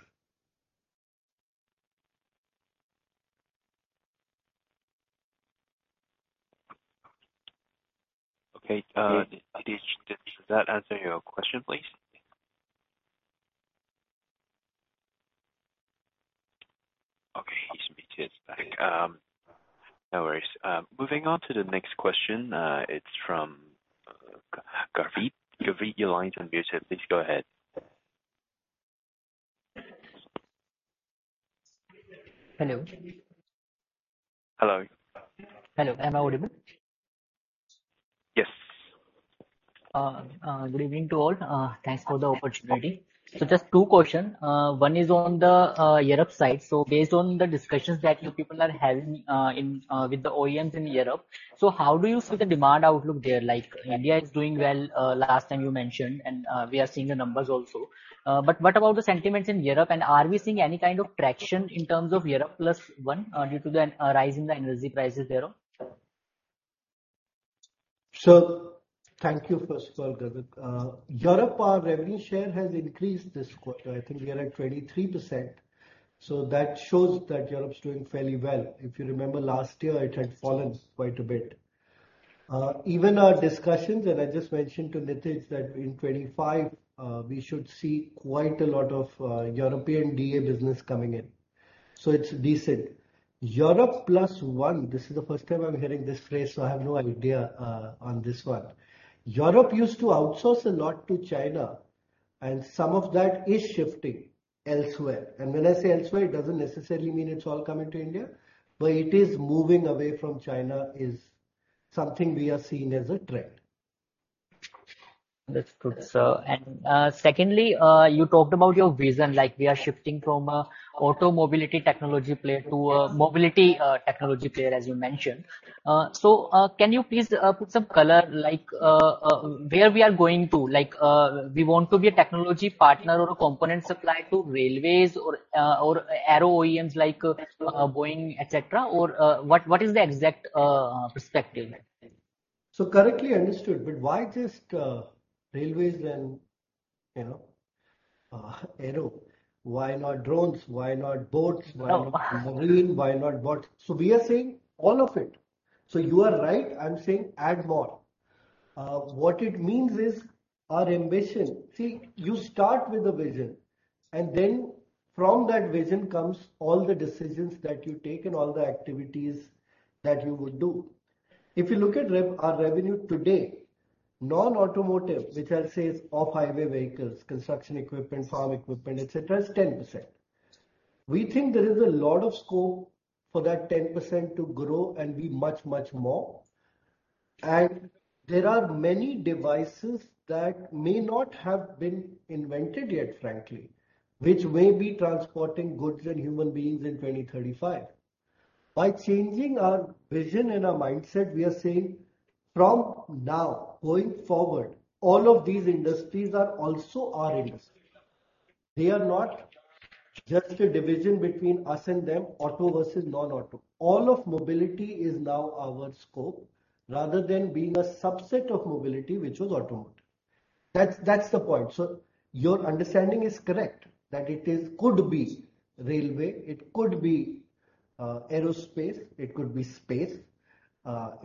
Okay, Nitish, does that answer your question, please? Okay, he's muted back. No worries. Moving on to the next question, it's from Garvit. Garvit, your line is unmuted. Please go ahead. Hello. Hello. Hello, am I audible? Yes. Good evening to all. Thanks for the opportunity. So just two questions. One is on the Europe side. So based on the discussions that you people are having in with the OEMs in Europe, so how do you see the demand outlook there? Like, India is doing well, last time you mentioned, and we are seeing the numbers also. But what about the sentiments in Europe? And are we seeing any kind of traction in terms of Europe plus one due to the rise in the energy prices there? So thank you, first of all, Garvit. Europe, our revenue share has increased this quarter. I think we are at 23%, so that shows that Europe's doing fairly well. If you remember last year, it had fallen quite a bit. Even our discussions, and I just mentioned to Nitish, that in 2025, we should see quite a lot of European DA business coming in, so it's decent. Europe plus one, this is the first time I'm hearing this phrase, so I have no idea on this one. Europe used to outsource a lot to China and some of that is shifting elsewhere. And when I say elsewhere, it doesn't necessarily mean it's all coming to India, but it is moving away from China is something we are seeing as a trend. That's good, sir. And, secondly, you talked about your vision, like we are shifting from a auto mobility technology player to a mobility technology player, as you mentioned. So, can you please put some color, like, where we are going to? Like, we want to be a technology partner or a component supplier to railways or or aero OEMs, like, Boeing, et cetera, or what, what is the exact perspective? So correctly understood, but why just railways and, you know, aero? Why not drones? Why not boats? Oh, wow! Why not marine? Why not boats? So we are saying all of it. So you are right, I'm saying add more. What it means is our ambition. See, you start with a vision, and then from that vision comes all the decisions that you take and all the activities that you would do. If you look at rev, our revenue today, non-automotive, which I'll say is off-highway vehicles, construction equipment farm equipment, et cetera, is 10%. We think there is a lot of scope for that 10% to grow and be much, much more. And there are many devices that may not have been invented yet, frankly, which may be transporting goods and human beings in 2035. By changing our vision and our mindset, we are saying: From now, going forward, all of these industries are also our industry. They are not just a division between us and them, auto versus non-auto. All of mobility is now our scope, rather than being a subset of mobility, which was automotive. That's, that's the point. So your understanding is correct, that it is—could be railway, it could be, aerospace, it could be space,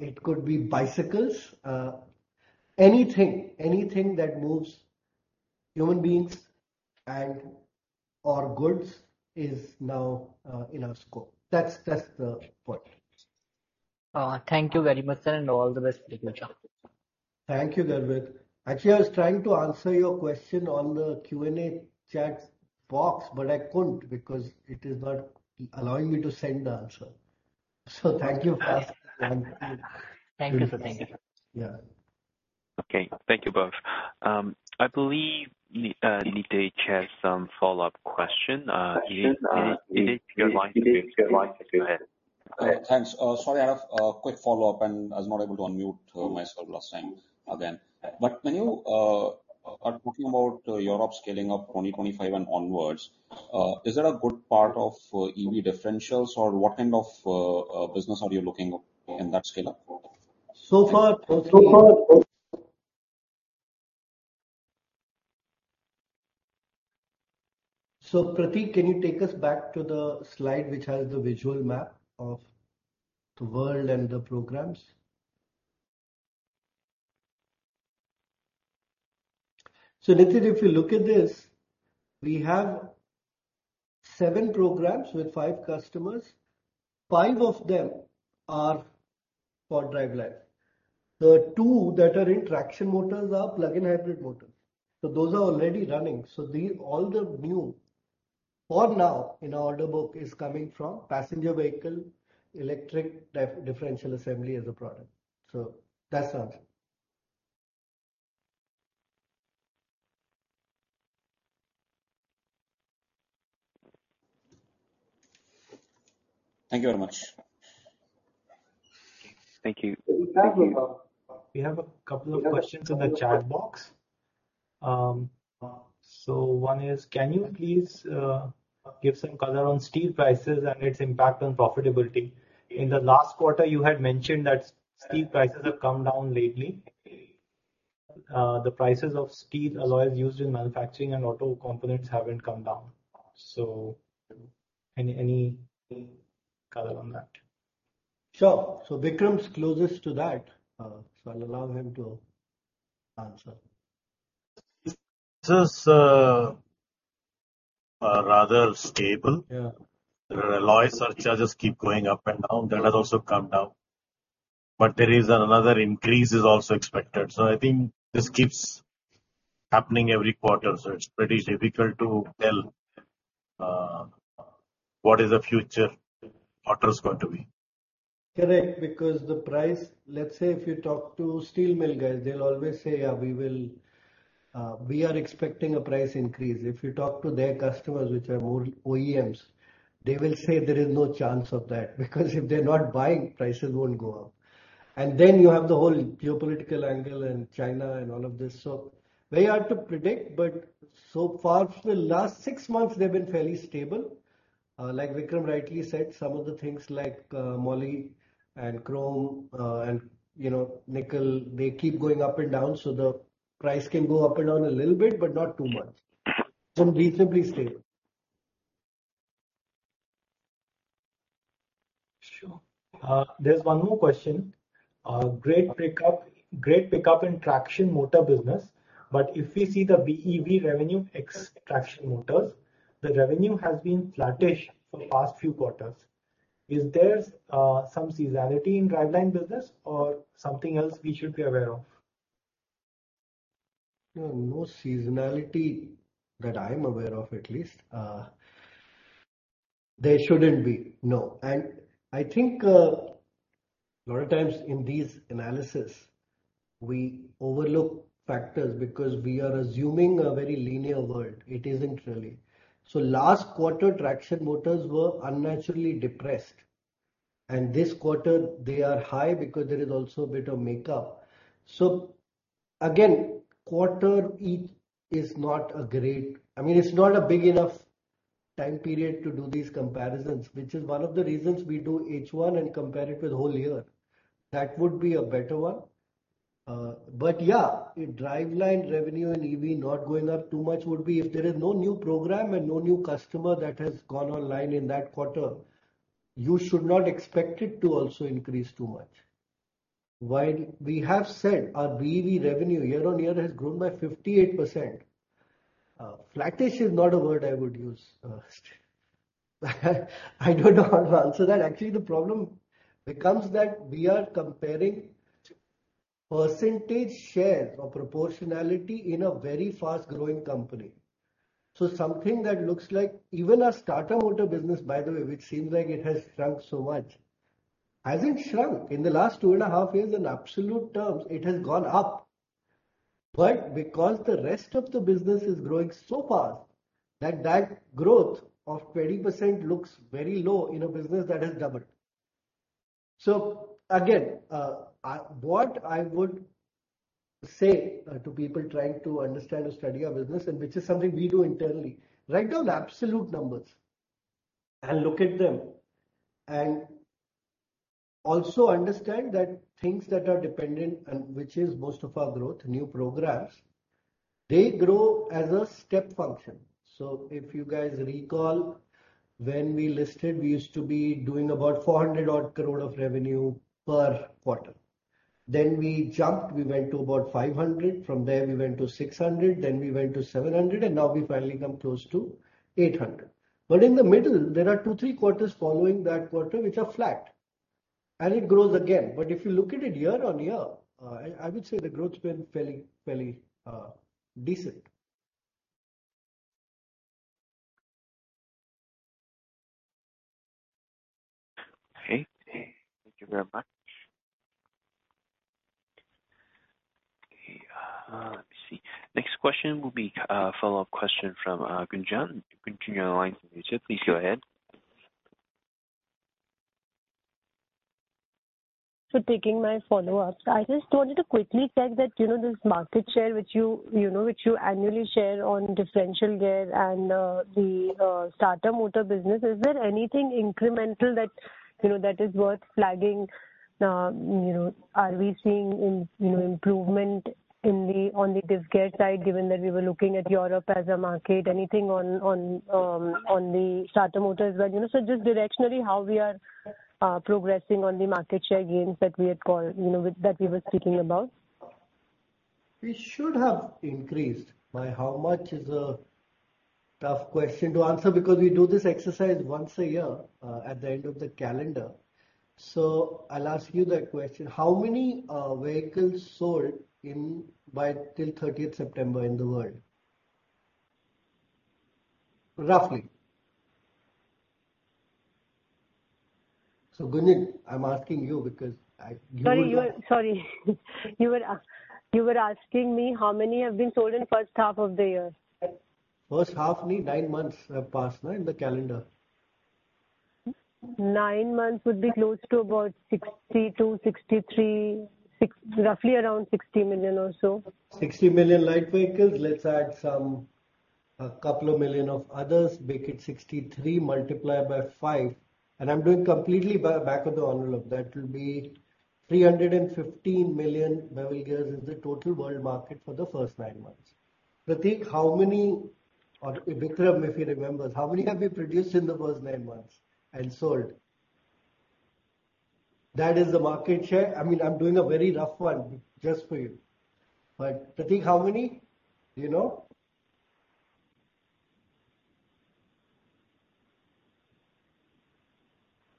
it could be bicycles, anything, anything that moves human beings and/or goods is now, in our scope. That's, that's the point. Thank you very much, sir, and all the best. Thank you, Garvit. Actually, I was trying to answer your question on the Q&A chat box, but I couldn't, because it is not allowing me to send the answer. So thank you for asking. Thank you, sir. Thank you. Yeah. Okay. Thank you, both. I believe, Nitish has some follow-up question. Nitish, Nitish, you're live. Go ahead. Thanks. Sorry, I have a quick follow-up, and I was not able to unmute myself last time, again. But when you are talking about Europe scaling up 2025 and onwards, is there a good part of EV differentials, or what kind of business are you looking in that scale-up? So, Pratik, can you take us back to the slide which has the visual map of the world and the programs? So, Nitish, if you look at this, we have seven programs with five customers. Five of them are for driveline. The two that are in traction motors are plug-in hybrid motors. So those are already running. So, all the new, for now, in our order book is coming from passenger vehicle, electric diff, differential assembly as a product. So that's the answer. Thank you very much. Thank you. Thank you. We have a couple of questions in the chat box. So one is: Can you please give some color on steel prices and its impact on profitability? In the last quarter, you had mentioned that steel prices have come down lately. The prices of steel alloys used in manufacturing and auto components haven't come down. So any color on that? Sure. So Vikram's closest to that, so I'll allow him to answer. This is rather stable. Yeah. The alloy surcharges keep going up and down. That has also come down. But there is another increase is also expected, so I think this keeps happening every quarter, so it's pretty difficult to tell what is the future order is going to be. Correct, because the price, let's say, if you talk to steel mill guys, they'll always say, "Yeah, we will, we are expecting a price increase." If you talk to their customers, which are more OEMs, they will say there is no chance of that, because if they're not buying, prices won't go up. And then you have the whole geopolitical angle and China and all of this. So very hard to predict, but so far, for the last six months, they've been fairly stable. Like Vikram rightly said, some of the things like, moly and chrome, and, you know, nickel, they keep going up and down, so the price can go up and down a little bit, but not too much. So reasonably stable. Sure. There's one more question. Great pickup, great pickup in traction motor business, but if we see the BEV revenue ex traction motors, the revenue has been flattish for the past few quarters.... Is there some seasonality in driveline business or something else we should be aware of? No, no seasonality that I'm aware of, at least. There shouldn't be, no. And I think a lot of times in these analysis, we overlook factors because we are assuming a very linear world. It isn't really. So last quarter, traction motors were unnaturally depressed, and this quarter they are high because there is also a bit of makeup. So again, quarter is, is not a great. I mean, it's not a big enough time period to do these comparisons, which is one of the reasons we do H1 and compare it with whole year. That would be a better one. But yeah, a driveline revenue and EV not going up too much would be if there is no new program and no new customer that has gone online in that quarter, you should not expect it to also increase too much. While we have said our BEV revenue year-on-year has grown by 58%, flatness is not a word I would use. I don't know how to answer that. Actually, the problem becomes that we are comparing percentage share or proportionality in a very fast-growing company. So something that looks like even our starter motor business, by the way, which seems like it has shrunk so much, hasn't shrunk. In the last two and a half years in absolute terms, it has gone up. But because the rest of the business is growing so fast, that that growth of 20% looks very low in a business that has doubled. So again, I what I would say to people trying to understand or study our business, and which is something we do internally, write down the absolute numbers and look at them. Also understand that things that are dependent, and which is most of our growth, new programs, they grow as a step function. So if you guys recall, when we listed, we used to be doing about 400 odd crore of revenue per quarter. Then we jumped, we went to about 500. From there, we went to 600, then we went to 700, and now we've finally come close to 800. But in the middle, there are two, three quarters following that quarter, which are flat, and it grows again. But if you look at it year-on-year, I would say the growth's been fairly, fairly decent. Okay. Thank you very much. Okay, let me see. Next question will be a follow-up question from Gunjan. Gunjan, on the line, please go ahead. Taking my follow-up, I just wanted to quickly check that, you know, this market share which you, you know, which you annually share on differential gear and the starter motor business, is there anything incremental that, you know, that is worth flagging? You know, are we seeing improvement on the diff gear side, given that we were looking at Europe as a market? Anything on the starter motor as well? You know, so just directionally, how we are progressing on the market share gains that we had called, you know, with that we were speaking about? We should have increased. By how much is a tough question to answer, because we do this exercise once a year, at the end of the calendar. So I'll ask you that question: How many, vehicles sold in, by till thirtieth September in the world? Roughly. So, Gunjan, I'm asking you because I- Sorry, you are, Sorry. You were asking me how many have been sold in the first half of the year? First half, nine months have passed, right, in the calendar. Nine months would be close to about 62-63.6, roughly around 60 million or so. 60 million light vehicles. Let's add some, 2 million of others, make it 63, multiply by five, and I'm doing completely by back of the envelope. That will be 315 million bevel gears is the total world market for the first nine months. Prateek, how many, or Vikram, if he remembers, how many have we produced in the first nine months and sold? That is the market share. I mean, I'm doing a very rough one just for you. But, Prateek, how many? Do you know?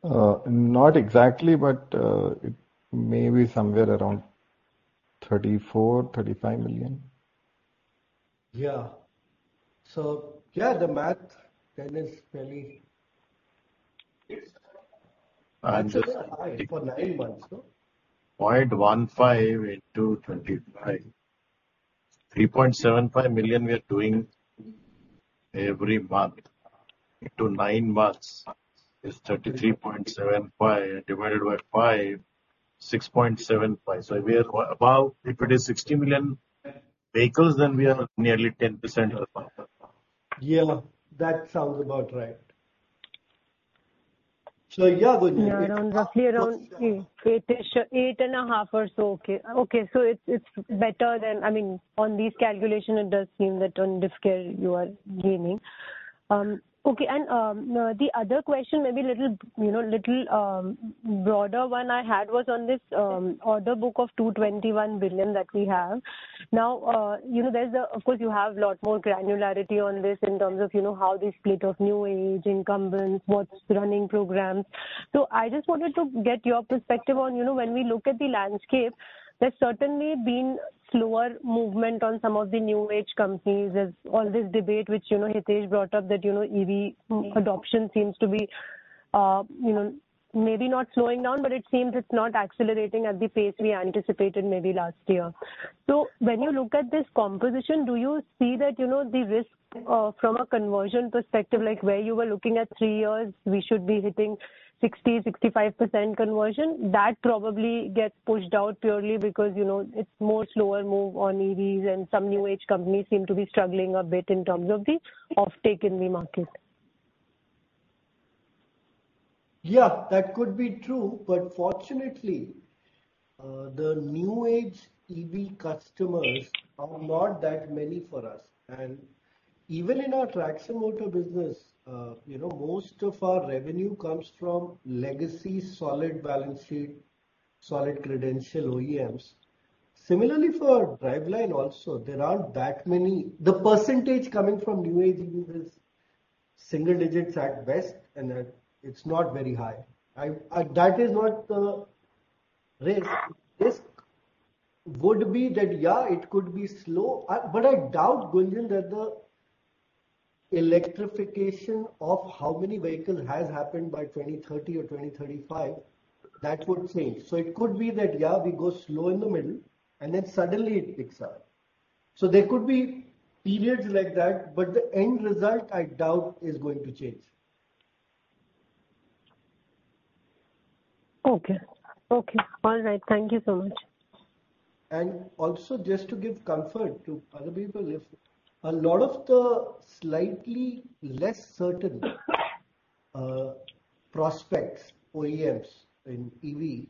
Not exactly, but it may be somewhere around 34-35 million. Yeah. So yeah, the math then is fairly. I'm just- For nine months, no? 0.15 into 25. 3.75 million we are doing every month, into 9 months is 33.75, divided by 5, 6.75. So we are about, if it is 60 million vehicles, then we are nearly 10% of the market. Yeah, that sounds about right. So yeah, Gunjan- Yeah, around, roughly around 8, 8.5 or so. Okay. Okay, so it's, it's better than... I mean, on these calculations, it does seem that on diff gear you are gaining.... Okay, and, the other question may be a little, you know, broader one I had was on this, order book of 221 billion that we have. Now, you know, there's of course, you have a lot more granularity on this in terms of, you know, how the split of new age, incumbents, what's running programs. So I just wanted to get your perspective on, you know, when we look at the landscape, there's certainly been slower movement on some of the new age companies. There's all this debate which, you know, Hitesh brought up that, you know, EV adoption seems to be, you know, maybe not slowing down, but it seems it's not accelerating at the pace we anticipated maybe last year. So when you look at this composition, do you see that, you know, the risk, from a conversion perspective, like where you were looking at three years, we should be hitting 60%-65% conversion? That probably gets pushed out purely because, you know, it's more slower move on EVs, and some new age companies seem to be struggling a bit in terms of the offtake in the market. Yeah, that could be true, but fortunately, the new age EV customers are not that many for us. And even in our traction motor business, you know, most of our revenue comes from legacy, solid balance sheet, solid credential OEMs. Similarly, for driveline also, there aren't that many. The percentage coming from new age EVs is single digits at best, and it's not very high. That is not the risk. Risk would be that, yeah, it could be slow, but I doubt, Gunjan, that the electrification of how many vehicles has happened by 2030 or 2035, that would change. So it could be that, yeah, we go slow in the middle and then suddenly it picks up. So there could be periods like that, but the end result, I doubt, is going to change. Okay. Okay. All right. Thank you so much. Also just to give comfort to other people, if a lot of the slightly less certain prospects, OEMs in EV,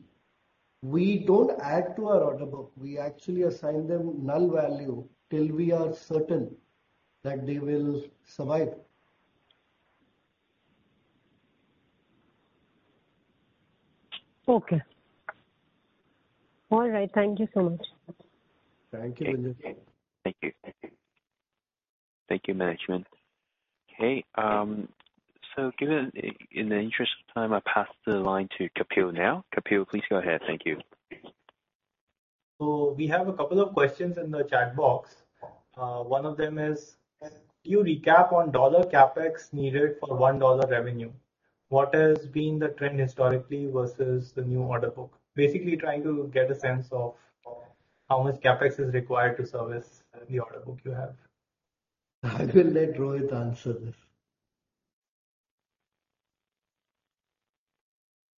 we don't add to our order book. We actually assign them null value till we are certain that they will survive. Okay. All right. Thank you so much. Thank you, Gunjan. Thank you. Thank you, management. Okay, so given, in the interest of time, I pass the line to Kapil now. Kapil, please go ahead. Thank you. So we have a couple of questions in the chat box. One of them is: Can you recap on dollar CapEx needed for $1 revenue? What has been the trend historically versus the new order book? Basically, trying to get a sense of how much CapEx is required to service the order book you have. I will let Rohit answer this.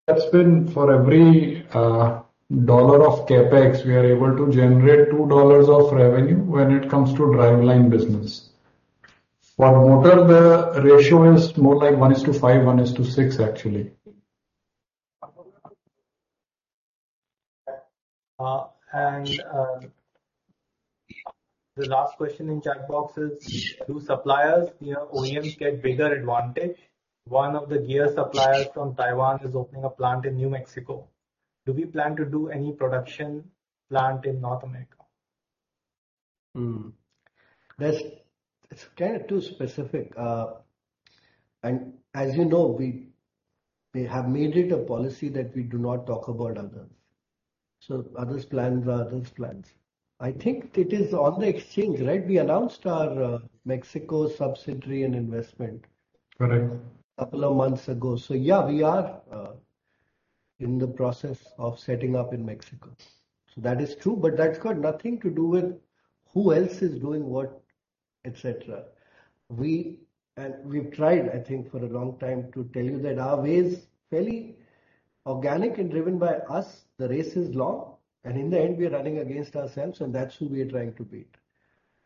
That's been for every $1 of CapEx, we are able to generate $2 of revenue when it comes to driveline business. For motor, the ratio is more like 1:5, 1:6, actually. The last question in chat box is: Do suppliers near OEMs get bigger advantage? One of the gear suppliers from Taiwan is opening a plant in New Mexico. Do we plan to do any production plant in North America? That's, it's kind of too specific. As you know, we have made it a policy that we do not talk about others. So others' plans are others' plans. I think it is on the exchange, right? We announced our Mexico subsidiary and investment- Correct. A couple of months ago. So, yeah, we are in the process of setting up in Mexico. So that is true, but that's got nothing to do with who else is doing what, et cetera. We, we've tried, I think, for a long time to tell you that our way is fairly organic and driven by us. The race is long, and in the end, we are running against ourselves, and that's who we are trying to beat.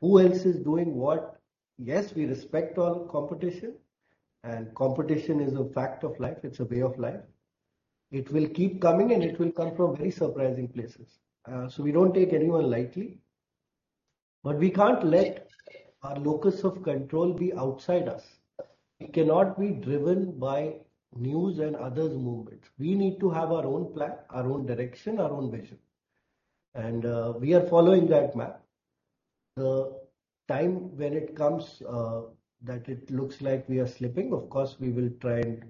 Who else is doing what? Yes, we respect all competition, and competition is a fact of life. It's a way of life. It will keep coming, and it will come from very surprising places. So we don't take anyone lightly, but we can't let our locus of control be outside us. We cannot be driven by news and others' movements. We need to have our own plan, our own direction, our own vision, and we are following that map. The time when it comes that it looks like we are slipping, of course, we will try and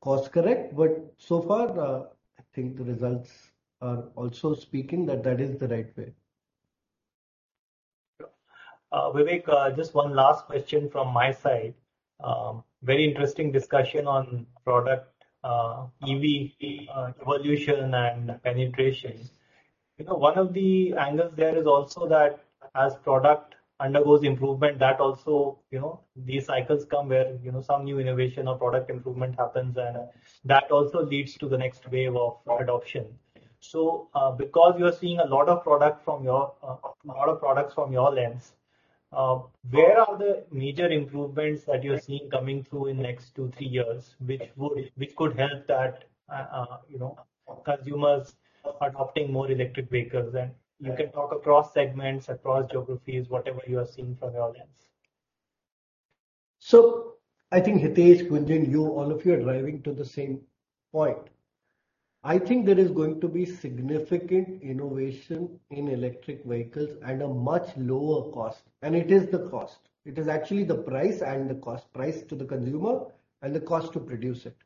course-correct, but so far, I think the results are also speaking that that is the right way. Vivek, just one last question from my side. Very interesting discussion on product, EV, evolution and penetration. You know, one of the angles there is also that as product undergoes improvement, that also, you know, these cycles come where, you know, some new innovation or product improvement happens, and that also leads to the next wave of adoption. So, because you are seeing a lot of products from your lens, where are the major improvements that you're seeing coming through in the next two, three years, which could help that, you know, consumers are adopting more electric vehicles? And you can talk across segments, across geographies, whatever you are seeing from your lens. So I think, Hitesh, Gunjan, you, all of you are driving to the same point. I think there is going to be significant innovation in electric vehicles at a much lower cost, and it is the cost. It is actually the price and the cost. Price to the consumer and the cost to produce it.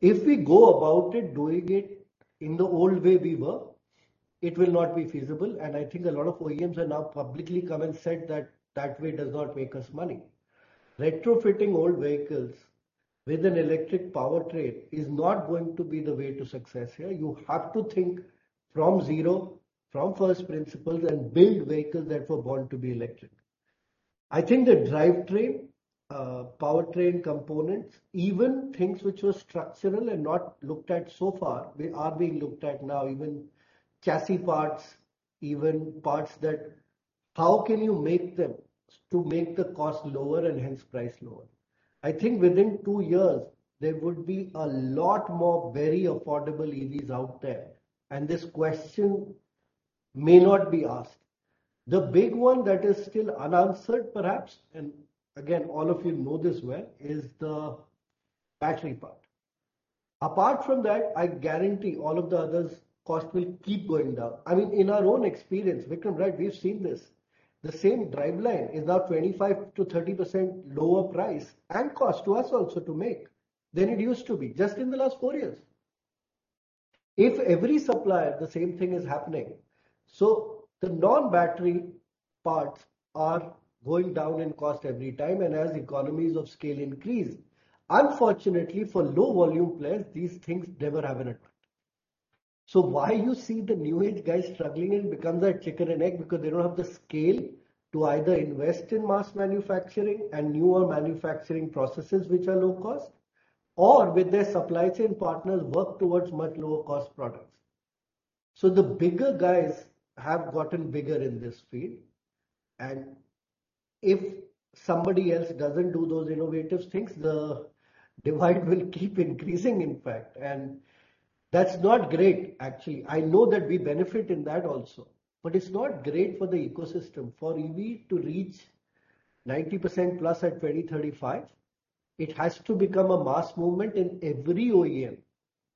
If we go about it, doing it in the old way we were, it will not be feasible, and I think a lot of OEMs have now publicly come and said that that way does not make us money. Retrofitting old vehicles with an electric powertrain is not going to be the way to success here. You have to think from zero, from first principles, and build vehicles that were born to be electric. I think the drivetrain, powertrain components, even things which were structural and not looked at so far, they are being looked at now, even chassis parts, even parts that how can you make them to make the cost lower and hence price lower? I think within two years there would be a lot more very affordable EVs out there, and this question may not be asked. The big one that is still unanswered, perhaps, and again, all of you know this well, is the battery part. Apart from that, I guarantee all of the others cost will keep going down. I mean, in our own experience, Vikram, right, we've seen this. The same driveline is now 25%-30% lower price and cost to us also to make than it used to be, just in the last four years. If every supplier, the same thing is happening, so the non-battery parts are going down in cost every time and as economies of scale increase. Unfortunately, for low volume players, these things never have an effect. So why you see the new age guys struggling, it becomes a chicken and egg because they don't have the scale to either invest in mass manufacturing and newer manufacturing processes which are low cost, or with their supply chain partners, work towards much lower cost products. So the bigger guys have gotten bigger in this field, and if somebody else doesn't do those innovative things, the divide will keep increasing, in fact, and that's not great, actually. I know that we benefit in that also, but it's not great for the ecosystem. For EV to reach 90%+ at 2035, it has to become a mass movement, and every OEM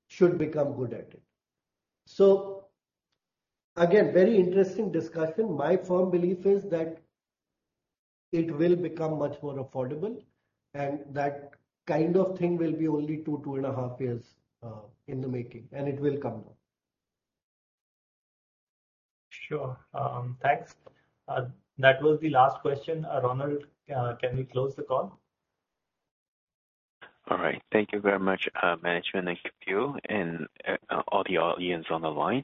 should become good at it. So again, very interesting discussion. My firm belief is that it will become much more affordable, and that kind of thing will be only two and two and half years in the making, and it will come down. Sure. Thanks. That was the last question. Ronald, can we close the call? All right. Thank you very much, management, thank you, and all the audience on the line.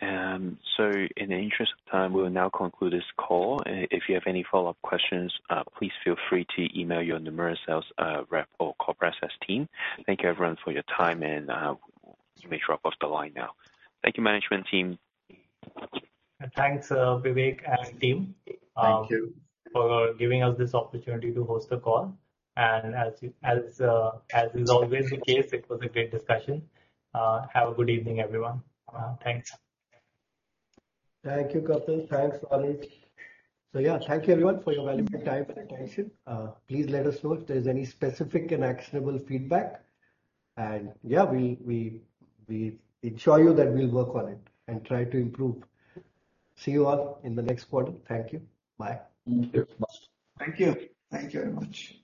In the interest of time, we will now conclude this call. If you have any follow-up questions, please feel free to email your Nomura Sales rep or Corp Access team. Thank you, everyone, for your time, and you may drop off the line now. Thank you, management team. Thanks, Vivek and team. Thank you. For giving us this opportunity to host the call. As is always the case, it was a great discussion. Have a good evening, everyone. Thanks. Thank you, Kapil. Thanks, all. So yeah, thank you everyone for your valuable time and attention. Please let us know if there's any specific and actionable feedback, and yeah, we ensure you that we'll work on it and try to improve. See you all in the next quarter. Thank you. Bye. Thank you. Bye. Thank you. Thank you very much.